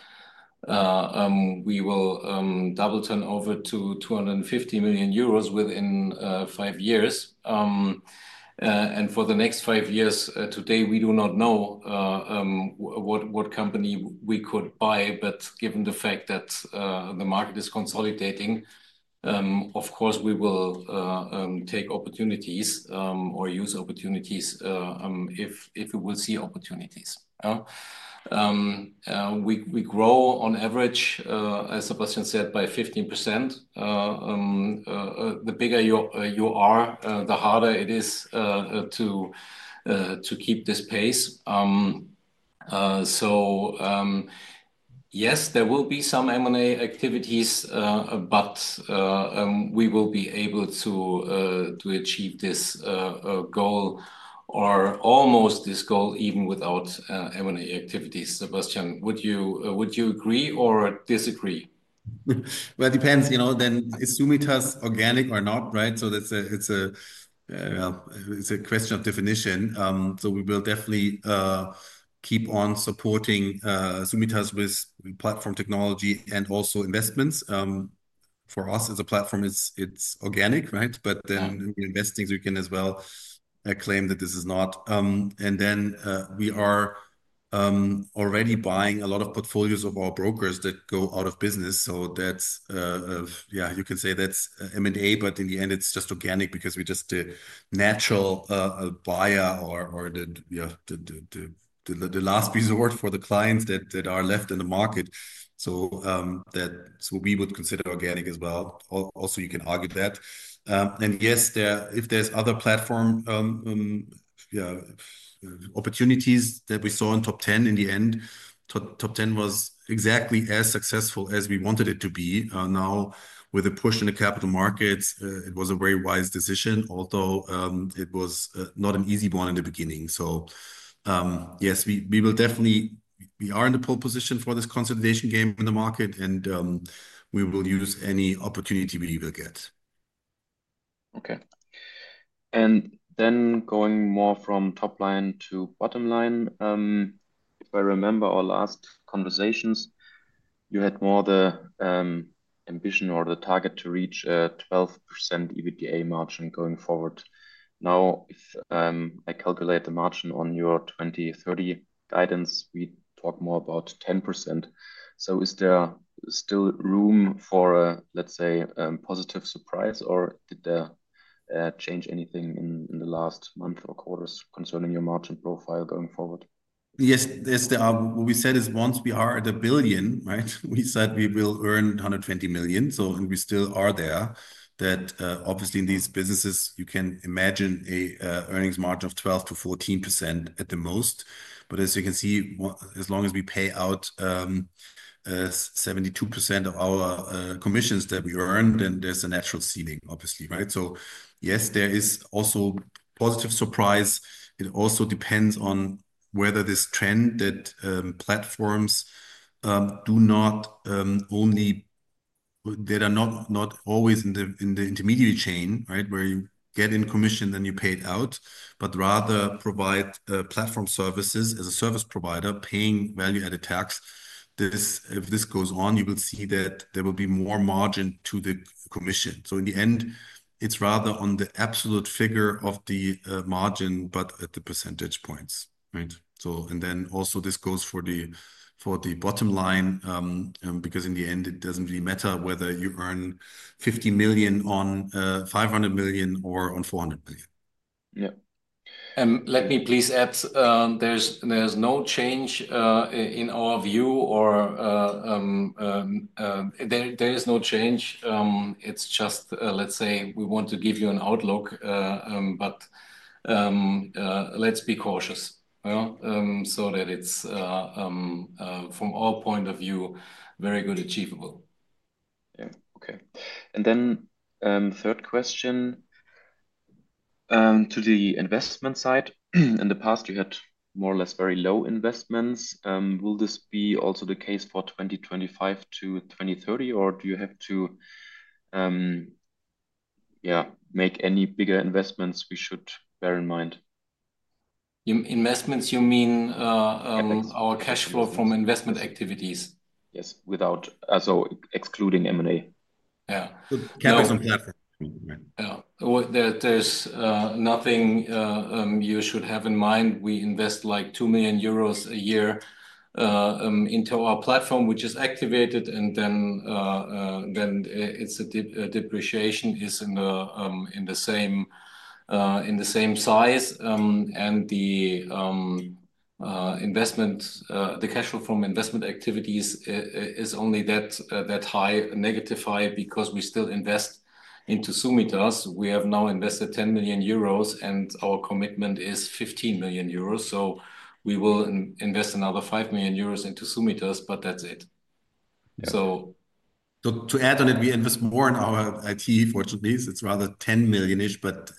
we will double turnover to 250 million euros within five years. For the next five years, today, we do not know what company we could buy, but given the fact that the market is consolidating, of course, we will take opportunities or use opportunities if we will see opportunities. We grow on average, as Sebastian said, by 15%. The bigger you are, the harder it is to keep this pace. Yes, there will be some M&A activities, but we will be able to achieve this goal or almost this goal even without M&A activities. Sebastian, would you agree or disagree? It depends. Then is Summitas organic or not, right? It is a question of definition. We will definitely keep on supporting Summitas with platform technology and also investments. For us, as a platform, it is organic, right? Investing, we can as well claim that this is not. We are already buying a lot of portfolios of our brokers that go out of business. You can say that is M&A, but in the end, it is just organic because we are just the natural buyer or the last resort for the clients that are left in the market. We would consider that organic as well. Also, you can argue that. Yes, if there are other platform opportunities that we saw in Top Ten Group, in the end, Top Ten Group was exactly as successful as we wanted it to be. Now, with a push in the capital markets, it was a very wise decision, although it was not an easy one in the beginning. Yes, we will definitely, we are in the pole position for this consolidation game in the market, and we will use any opportunity we will get. Okay. Going more from top line to bottom line, if I remember our last conversations, you had more the ambition or the target to reach a 12% EBITDA margin going forward. Now, if I calculate the margin on your 2030 guidance, we talk more about 10%. Is there still room for, let's say, a positive surprise, or did there change anything in the last month or quarters concerning your margin profile going forward? Yes, what we said is once we are at a billion, right? We said we will earn 120 million, and we still are there. That obviously in these businesses, you can imagine an earnings margin of 12-14% at the most. As you can see, as long as we pay out 72% of our commissions that we earn, then there's a natural ceiling, obviously, right? Yes, there is also positive surprise. It also depends on whether this trend that platforms do not only, that are not always in the intermediary chain, right, where you get in commission, then you pay it out, but rather provide platform services as a service provider, paying value-added tax. If this goes on, you will see that there will be more margin to the commission. In the end, it's rather on the absolute figure of the margin, but at the percentage points, right? This also goes for the bottom line because in the end, it doesn't really matter whether you earn 50 million on 500 million or on 400 million. Let me please add, there's no change in our view or there is no change. It's just, let's say, we want to give you an outlook, but let's be cautious so that it's, from our point of view, very good achievable. Okay. Third question to the investment side. In the past, you had more or less very low investments. Will this be also the case for 2025 to 2030, or do you have to, yeah, make any bigger investments we should bear in mind? Investments, you mean our cash flow from investment activities? Yes. Without excluding M&A. Yeah. Yeah. There is nothing you should have in mind. We invest 2 million euros a year into our platform, which is activated, and then its depreciation is in the same size. The investment, the cash flow from investment activities is only that high, negative high, because we still invest into Summitas. We have now invested 10 million euros and our commitment is 15 million euros. We will invest another 5 million euros into Summitas, but that is it. To add on it, we invest more in our IT for sure. It is rather 10 million-ish, but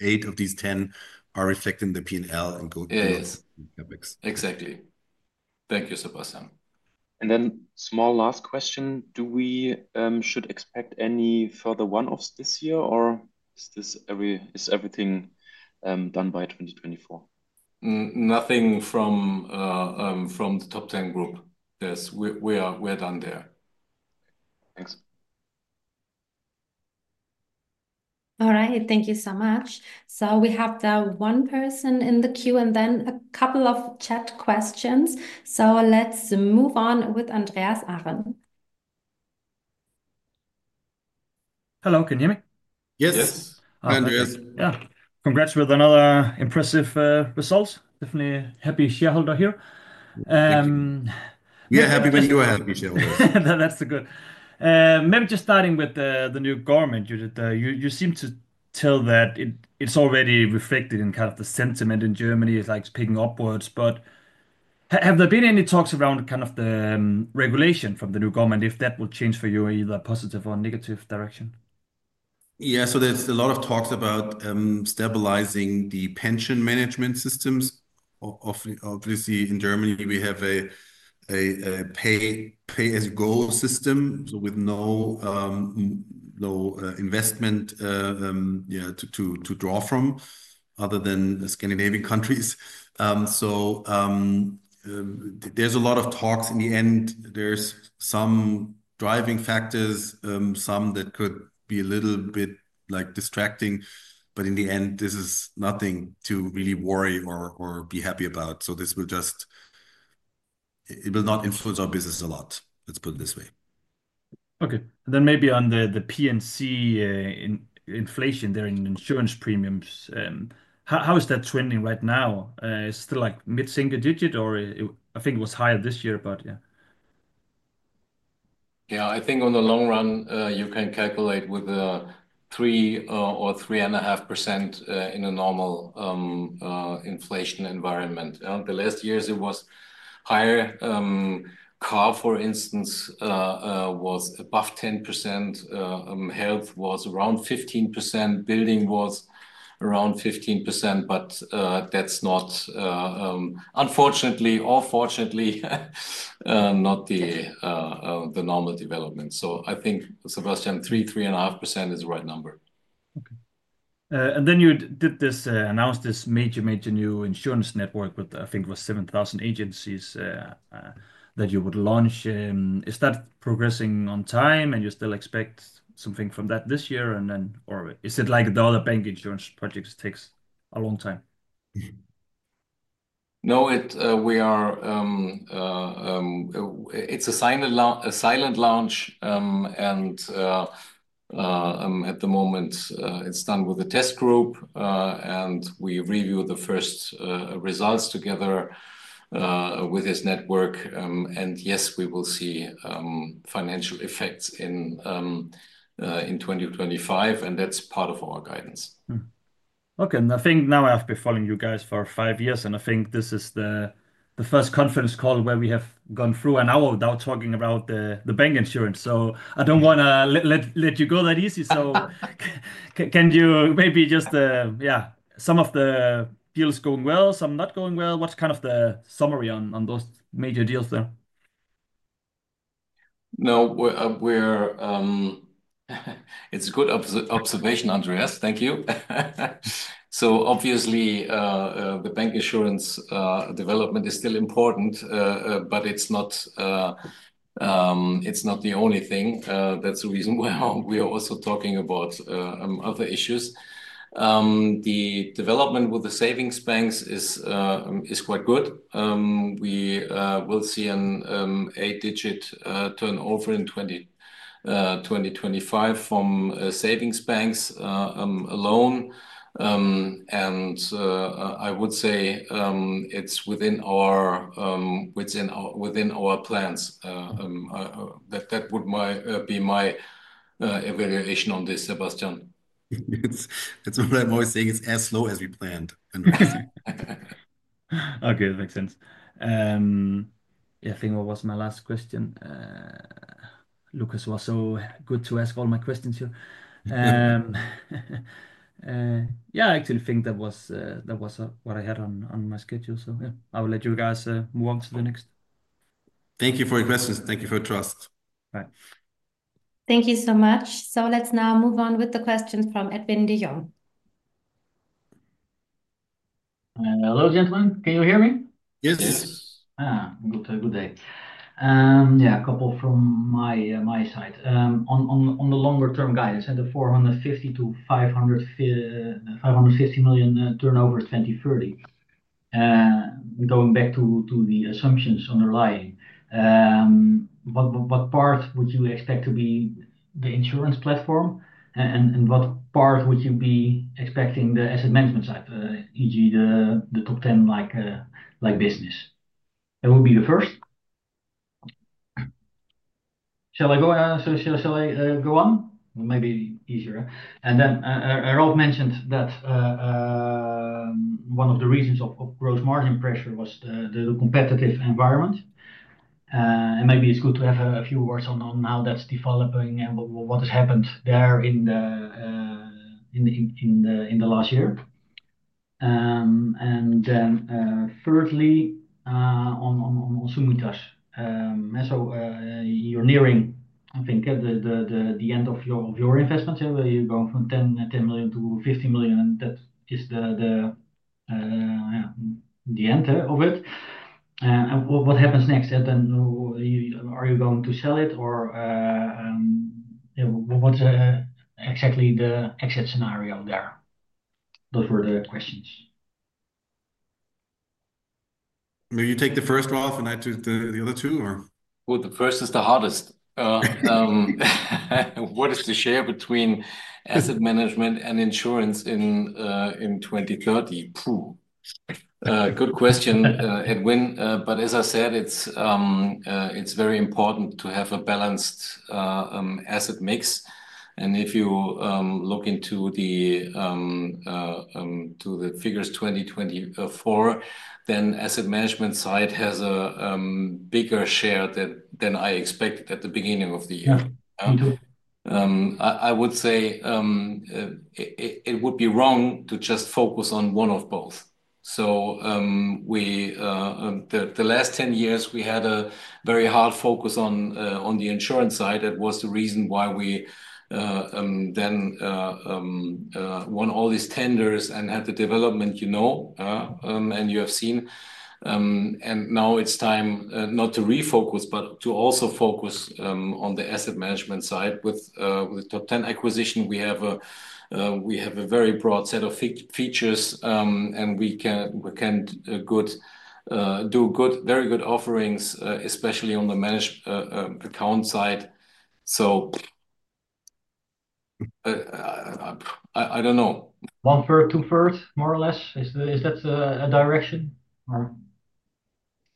eight of these 10 are reflecting the P&L and good. Yes exactly. Thank you, Sebastian. Then small last question, do we should expect any further one-offs this year, or is everything done by 2024? Nothing Top Ten Group. yes, we're done there. Thanks. All right. Thank you so much. We have one person in the queue and then a couple of chat questions. Let's move on with Andreas Affen. Hello. Can you hear me? Yes. Yes. Andreas. Congrats with another impressive result. Definitely happy shareholder here. Yeah, happy when you are happy shareholders. That's good. Maybe just starting with the new government, you seem to tell that it's already reflected in kind of the sentiment in Germany. It's like it's picking upwards. Have there been any talks around kind of the regulation from the new government, if that will change for you in either a positive or negative direction? Yeah. There is a lot of talk about stabilizing the pension management systems. Obviously, in Germany, we have a pay-as-you-go system, with no investment to draw from other than Scandinavian countries. There is a lot of talk. In the end, there are some driving factors, some that could be a little bit distracting, but in the end, this is nothing to really worry or be happy about. This will just, it will not influence our business a lot. Let's put it this way. Okay. Maybe on the P&C inflation there in insurance premiums, how is that trending right now? Is it still like mid-single digit, or I think it was higher this year, but yeah. I think in the long run, you can calculate with 3% or 3.5% in a normal inflation environment. The last years, it was higher. Car, for instance, was above 10%. Health was around 15%. Building was around 15%, but that's not, unfortunately or fortunately, not the normal development. I think, Sebastian, three, three and a half percent is the right number. Okay. You did this, announced this major, major new insurance network with, I think, it was 7,000 agencies that you would launch. Is that progressing on time? You still expect something from that this year? Is it like the other bancassurance projects takes a long time? No, it's a silent launch. At the moment, it's done with the test group, and we review the first results together with this network. Yes, we will see financial effects in 2025, and that's part of our guidance. Okay. I think now I have been following you guys for five years, and I think this is the first conference call where we have gone through an hour without talking about the bancassurance. I do not want to let you go that easy. Can you maybe just, yeah, some of the deals going well, some not going well? What is kind of the summary on those major deals there? No, it is a good observation, Andreas. Thank you. Obviously, the bancassurance development is still important, but it is not the only thing. That is the reason why we are also talking about other issues. The development with the savings banks is quite good. We will see an eight-digit turnover in 2025 from savings banks alone. I would say it is within our plans. That would be my evaluation on this, Sebastian. It is what I am always saying it's as slow as we planned. Okay. That makes sense. Yeah, I think what was my last question? Lucas was so good to ask all my questions here. Yeah, I actually think that was what I had on my schedule. Yeah, I will let you guys move on to the next. Thank you for your questions. Thank you for your trust. Thank you so much. Let's now move on with the questions from Edwin de Jong. Hello, gentlemen. Can you hear me? Yes. Good day. Yeah, a couple from my side. On the longer-term guidance, the 450 million-550 million turnover is 2030. Going back to the assumptions underlying, what part would you expect to be the insurance platform, and what part would you be expecting the asset management side, e.g., the Top Ten Group business? That would be the first. Shall I go on? Shall I go on? Maybe easier. Ralph mentioned that one of the reasons of gross margin pressure was the competitive environment. Maybe it's good to have a few words on how that's developing and what has happened there in the last year. Thirdly, on Summitas, so you're nearing, I think, the end of your investments. You're going from 10 million-15 million, and that is the end of it. What happens next? Are you going to sell it, or what's exactly the exit scenario there? Those were the questions. Will you take the first one off and add to the other two, or? The first is the hardest. What is the share between asset management and insurance in 2030? Good question, Edwin. As I said, it's very important to have a balanced asset mix. If you look into the figures 2024, then asset management side has a bigger share than I expected at the beginning of the year. I would say it would be wrong to just focus on one of both. The last 10 years, we had a very hard focus on the insurance side. That was the reason why we then won all these tenders and had the development you know and you have seen. Now it's time not to refocus, but to also focus on the asset management side with the Top Ten Group acquisition. We have a very broad set of features, and we can do very good offerings, especially on the managed account side. I don't know. One third, two thirds, more or less? Is that a direction?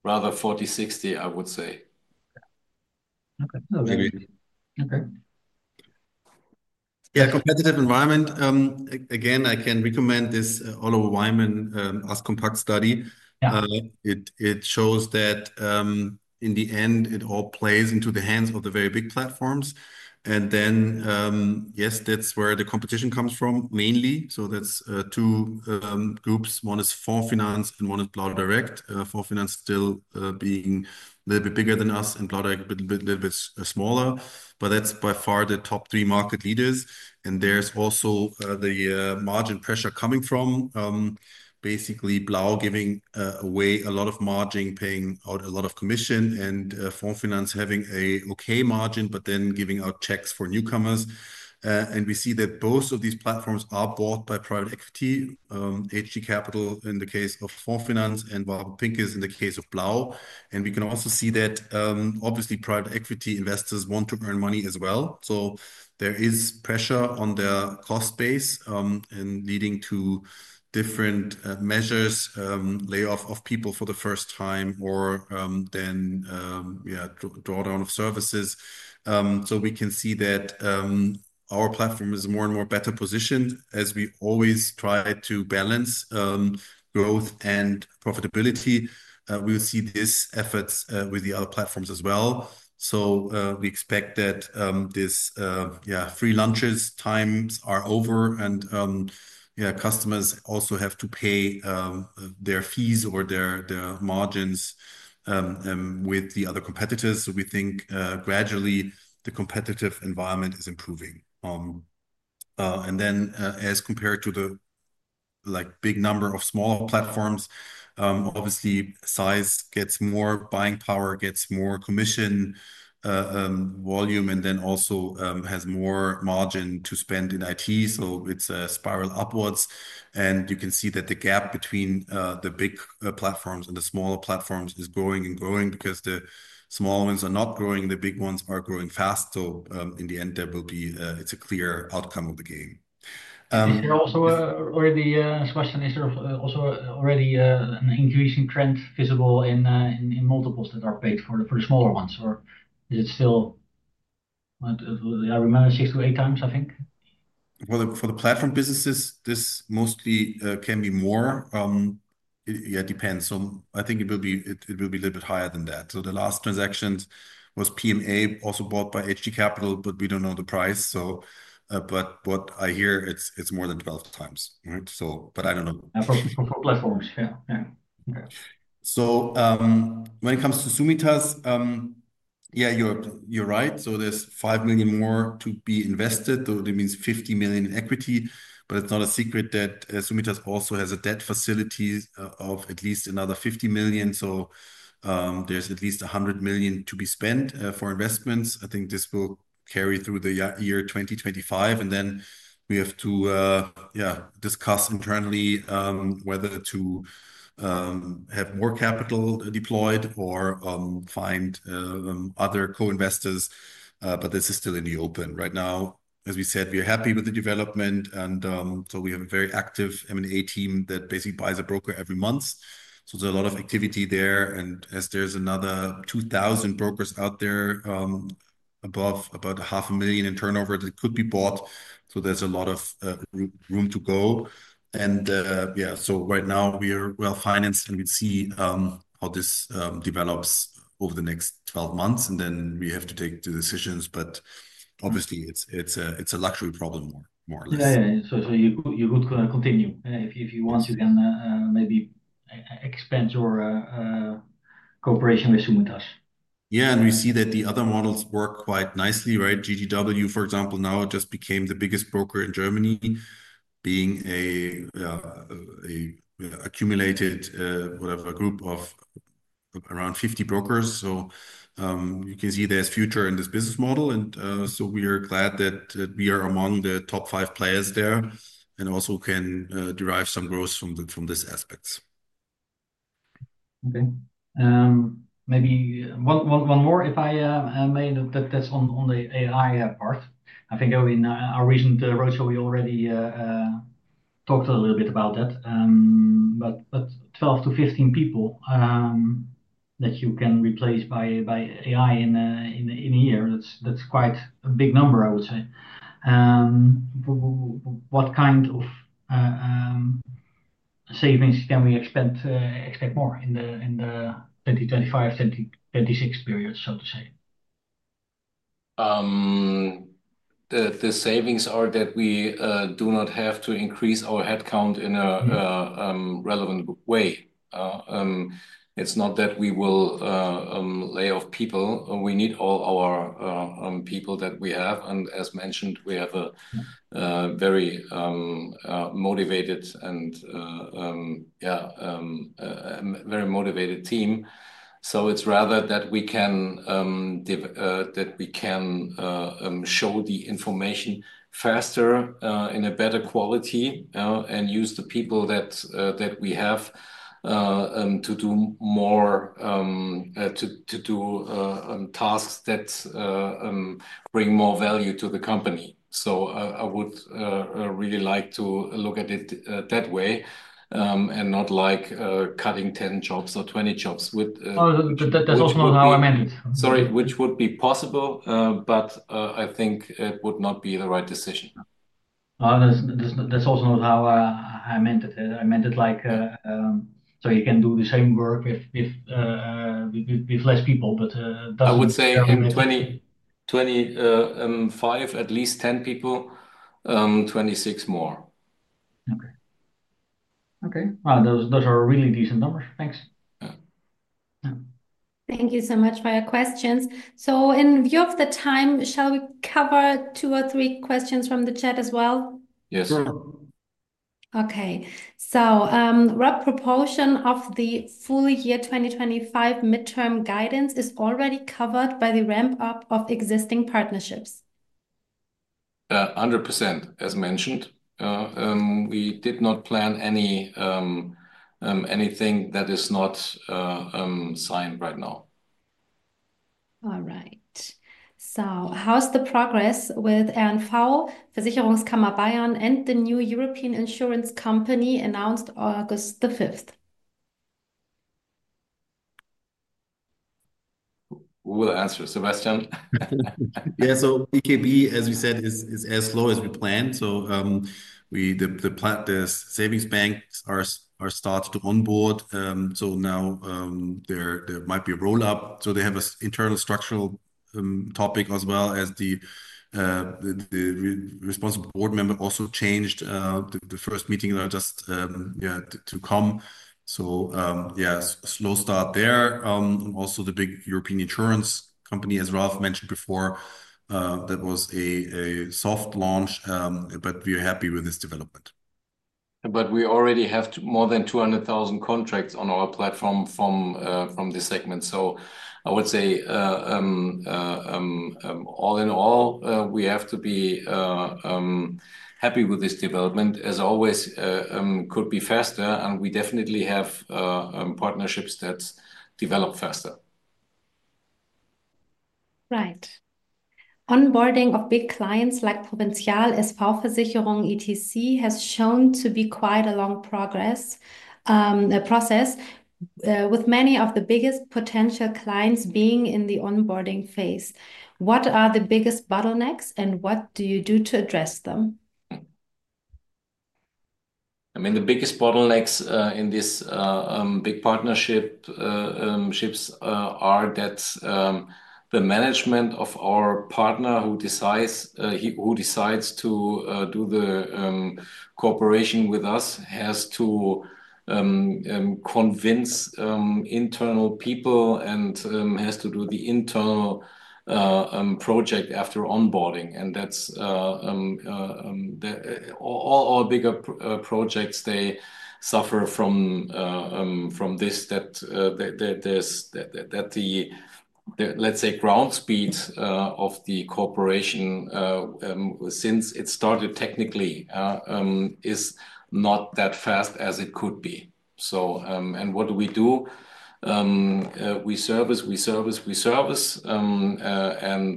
Rather 40/60, I would say. Okay. Yeah, competitive environment. Again, I can recommend this Oliver AssCompact study. It shows that in the end, it all plays into the hands of the very big platforms. Yes, that's where the competition comes from mainly. That's two groups. One is Fonds Finanz and one is Blau Direkt. Fonds Finanz still being a little bit bigger than us and Blau Direkt a little bit smaller. That's by far the top three market leaders. There's also the margin pressure coming from basically Blau giving away a lot of margin, paying out a lot of commission, and Fonds Finanz having an okay margin, but then giving out checks for newcomers. We see that both of these platforms are bought by private equity, HgCapital in the case of Fonds Finanz, and Pincus in the case of Blau. We can also see that obviously private equity investors want to earn money as well. There is pressure on their cost base and leading to different measures, layoff of people for the first time, or then drawdown of services. We can see that our platform is more and more better positioned as we always try to balance growth and profitability. We will see these efforts with the other platforms as well. We expect that these free lunches times are over, and customers also have to pay their fees or their margins with the other competitors. We think gradually the competitive environment is improving. As compared to the big number of smaller platforms, obviously size gets more buying power, gets more commission volume, and then also has more margin to spend in IT. It is a spiral upwards. You can see that the gap between the big platforms and the smaller platforms is growing and growing because the small ones are not growing. The big ones are growing fast. In the end, there will be, it's a clear outcome of the game. Is there also already a question? Is there also already an increasing trend visible in multiples that are paid for the smaller ones? Or is it still, I remember, six to eight times, I think? For the platform businesses, this mostly can be more. Yeah, it depends. I think it will be a little bit higher than that. The last transaction was PMA also bought by HgCapital, but we do not know the price. What I hear, it is more than 12 times. I do not know. For platforms, yeah. When it comes to Summitas, yeah, you are right. There is $5 million more to be invested. That means $50 million in equity. It is not a secret that Summitas also has a debt facility of at least $50 million. There is at least $100 million to be spent for investments. I think this will carry through the year 2025. We have to discuss internally whether to have more capital deployed or find other co-investors. This is still in the open. Right now, as we said, we are happy with the development. We have a very active M&A team that basically buys a broker every month. There is a lot of activity there. As there are another 2,000 brokers out there above about $500,000 in turnover that could be bought, there is a lot of room to go. Yeah, right now we are well-financed, and we'll see how this develops over the next 12 months. We have to take the decisions. Obviously, it's a luxury problem, more or less. You could continue if you want to maybe expand your cooperation with Summitas. We see that the other models work quite nicely, right? GGW, for example, now just became the biggest broker in Germany, being an accumulated group of around 50 brokers. You can see there's future in this business model. We are glad that we are among the top five players there and also can derive some growth from this aspect. Okay. Maybe one more, if I may, that's on the AI part. I think in our recent roadshow, we already talked a little bit about that. Twelve to fifteen people that you can replace by AI in a year, that's quite a big number, I would say. What kind of savings can we expect more in the 2025-2026 period, so to say? The savings are that we do not have to increase our headcount in a relevant way. It's not that we will lay off people. We need all our people that we have. As mentioned, we have a very motivated and, yeah, very motivated team. It is rather that we can show the information faster, in a better quality, and use the people that we have to do more, to do tasks that bring more value to the company. I would really like to look at it that way and not like cutting 10 jobs or 20 jobs. That's also not how I meant it. Sorry, which would be possible, but I think it would not be the right decision. That's also not how I meant it. I meant it like so you can do the same work with less people, but... I would say in 2025, at least 10 people, 26 more. Okay. Okay. Those are really decent numbers. Thanks. Thank you so much for your questions. In view of the time, shall we cover two or three questions from the chat as well? Yes. Okay. What proportion of the full year 2025 midterm guidance is already covered by the ramp-up of existing partnerships? 100%, as mentioned. We did not plan anything that is not signed right now. All right. How's the progress with R+V, Versicherungskammer Bayern, and the new EURopean insurance company announced August 5th? We will answer, Sebastian. Yeah. VKB, as we said, is as slow as we planned. The savings banks are starting to onboard. Now there might be a roll-up. They have an internal structural topic as well as the responsible board member also changed. The first meeting is just to come. Yeah, slow start there. Also, the big EURopean insurance company, as Ralph mentioned before, that was a soft launch, but we are happy with this development. We already have more than 200,000 contracts on our platform from the segment. I would say all in all, we have to be happy with this development. As always, could be faster, and we definitely have partnerships that develop faster. Right. Onboarding of big clients like Provinzial, SV Versicherung, etc. has shown to be quite a long process, with many of the biggest potential clients being in the onboarding phase. What are the biggest bottlenecks, and what do you do to address them? I mean, the biggest bottlenecks in this big partnership are that the management of our partner who decides to do the cooperation with us has to convince internal people and has to do the internal project after onboarding. All our bigger projects, they suffer from this, that the, let's say, ground speed of the corporation since it started technically is not that fast as it could be. What do we do? We service, we service, we service, and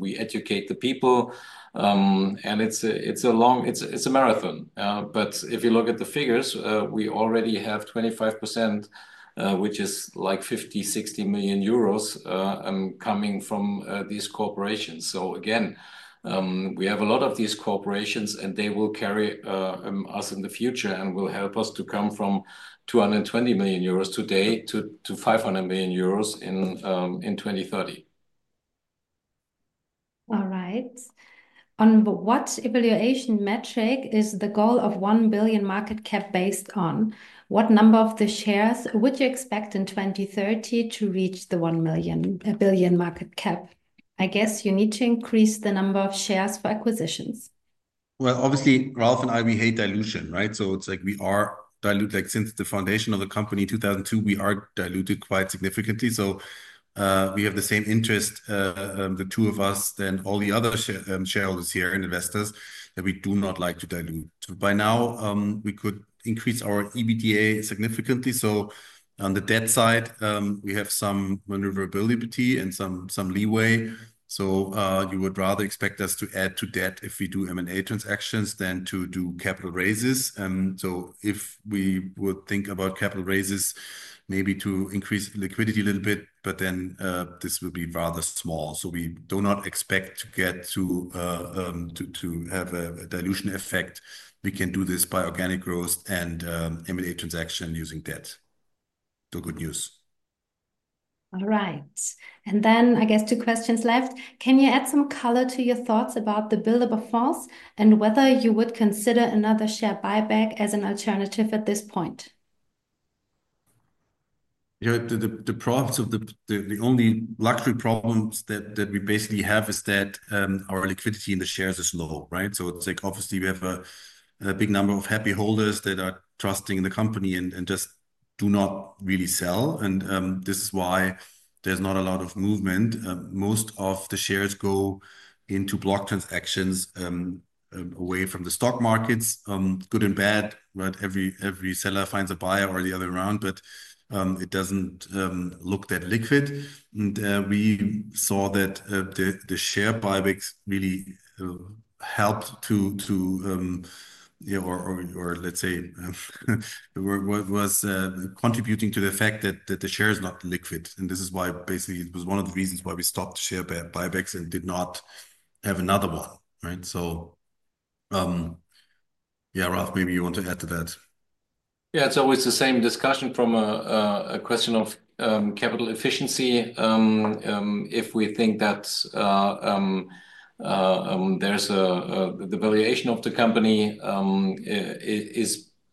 we educate the people. It's a marathon. If you look at the figures, we already have 25%, which is like 50 million-60 million euros coming from these corporations. Again, we have a lot of these corporations, and they will carry us in the future and will help us to come from 220 million euros today to 500 million euros in 2030. All right. On what evaluation metric is the goal of 1 billion market cap based on? What number of the shares would you expect in 2030 to reach the 1 billion market cap? I guess you need to increase the number of shares for acquisitions. Obviously, Ralph and I, we hate dilution, right? It is like we are diluted. Since the foundation of the company in 2002, we are diluted quite significantly. We have the same interest, the two of us, as all the other shareholders here and investors that we do not like to dilute. By now, we could increase our EBITDA significantly. On the debt side, we have some maneuverability and some leeway. You would rather expect us to add to debt if we do M&A transactions than to do capital raises. If we would think about capital raises, maybe to increase liquidity a little bit, but then this will be rather small. We do not expect to have a dilution effect. We can do this by organic growth and M&A transaction using debt. Good news. All right. I guess two questions left. Can you add some color to your thoughts about the buildup of funds and whether you would consider another share buyback as an alternative at this point? The only luxury problems that we basically have is that our liquidity in the shares is low, right? It is like obviously we have a big number of happy holders that are trusting in the company and just do not really sell. This is why there is not a lot of movement. Most of the shares go into block transactions away from the stock markets. Good and bad, right? Every seller finds a buyer or the other around, but it does not look that liquid. We saw that the share buybacks really helped to, or let's say, was contributing to the fact that the share is not liquid. This is why basically it was one of the reasons why we stopped share buybacks and did not have another one, right? Yeah, Ralph, maybe you want to add to that. Yeah, it is always the same discussion from a question of capital efficiency. If we think that there's a valuation of the company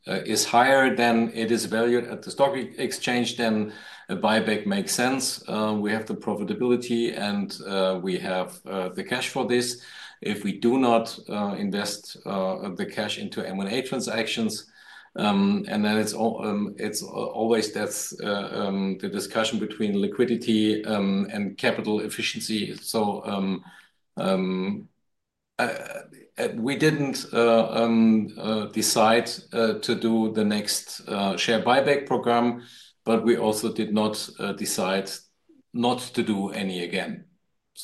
is higher than it is valued at the stock exchange, then a buyback makes sense. We have the profitability, and we have the cash for this. If we do not invest the cash into M&A transactions, then it's always that's the discussion between liquidity and capital efficiency. We didn't decide to do the next share buyback program, but we also did not decide not to do any again.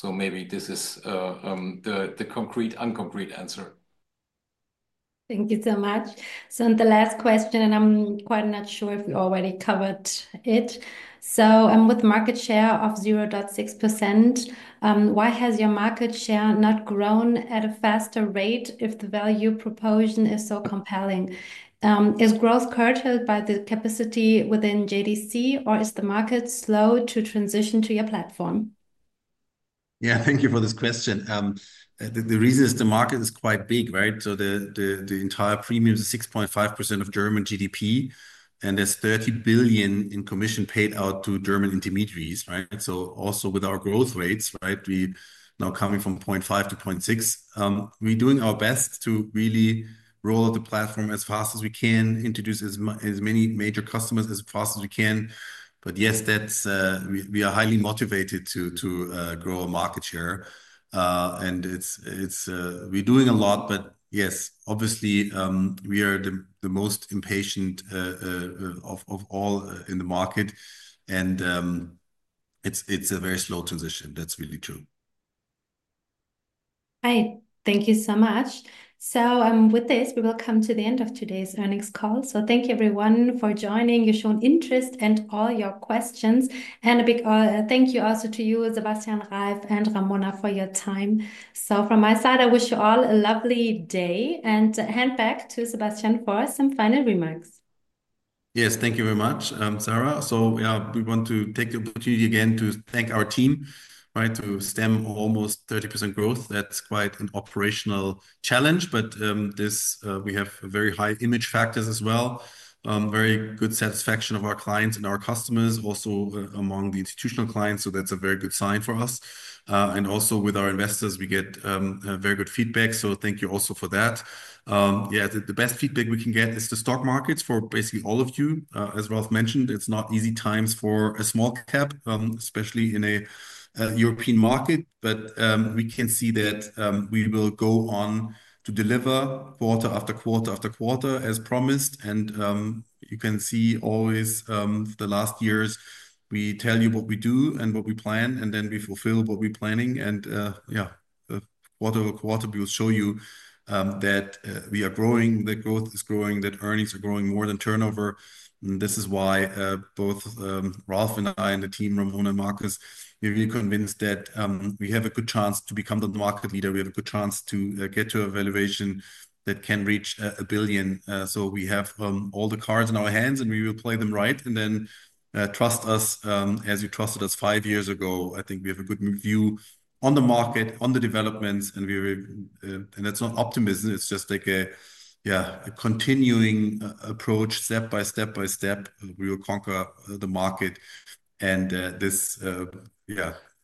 Maybe this is the concrete unconcrete answer. Thank you so much. The last question, and I'm quite not sure if we already covered it. With market share of 0.6%, why has your market share not grown at a faster rate if the value proposed is so compelling? Is growth curtailed by the capacity within JDC, or is the market slow to transition to your platform? Yeah, thank you for this question. The reason is the market is quite big, right? The entire premium is 6.5% of German GDP, and there's 30 billion in commission paid out to German intermediaries, right? Also with our growth rates, right? We're now coming from 0.5 billion-0.6 billion. We're doing our best to really roll out the platform as fast as we can, introduce as many major customers as fast as we can. Yes, we are highly motivated to grow our market share. We're doing a lot, yes, obviously, we are the most impatient of all in the market. It's a very slow transition. That's really true. Right. Thank you so much. With this, we will come to the end of today's earnings call. Thank you, everyone, for joining. You've shown interest and all your questions. A big thank you also to you, Sebastian Grabmaier and Ramona, for your time. From my side, I wish you all a lovely day. I hand back to Sebastian for some final remarks. Yes, thank you very much, Sarah. We want to take the opportunity again to thank our team, right? To stem almost 30% growth, that's quite an operational challenge. We have very high image factors as well. Very good satisfaction of our clients and our customers, also among the institutional clients. That's a very good sign for us. Also with our investors, we get very good feedback. Thank you also for that. The best feedback we can get is the stock markets for basically all of you. As Ralph mentioned, it's not easy times for a small cap, especially in a EURopean market. We can see that we will go on to deliver quarter after quarter after quarter as promised. You can see always the last years, we tell you what we do and what we plan, and then we fulfill what we're planning. Quarter over quarter, we will show you that we are growing, that growth is growing, that earnings are growing more than turnover. This is why both Ralph and I and the team, Ramona and Markus, are really convinced that we have a good chance to become the market leader. We have a good chance to get to a valuation that can reach a billion. We have all the cards in our hands, and we will play them right. Trust us as you trusted us five years ago. I think we have a good view on the market, on the developments, and that's not optimism. It's just like a, yeah, a continuing approach, step by step by step. We will conquer the market. This, yeah,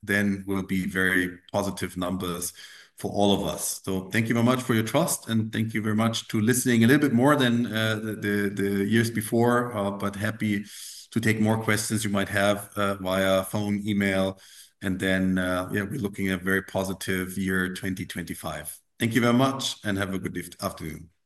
then will be very positive numbers for all of us. Thank you very much for your trust, and thank you very much for listening a little bit more than the years before. Happy to take more questions you might have via phone, email. We are looking at a very positive year 2025. Thank you very much, and have a good afternoon.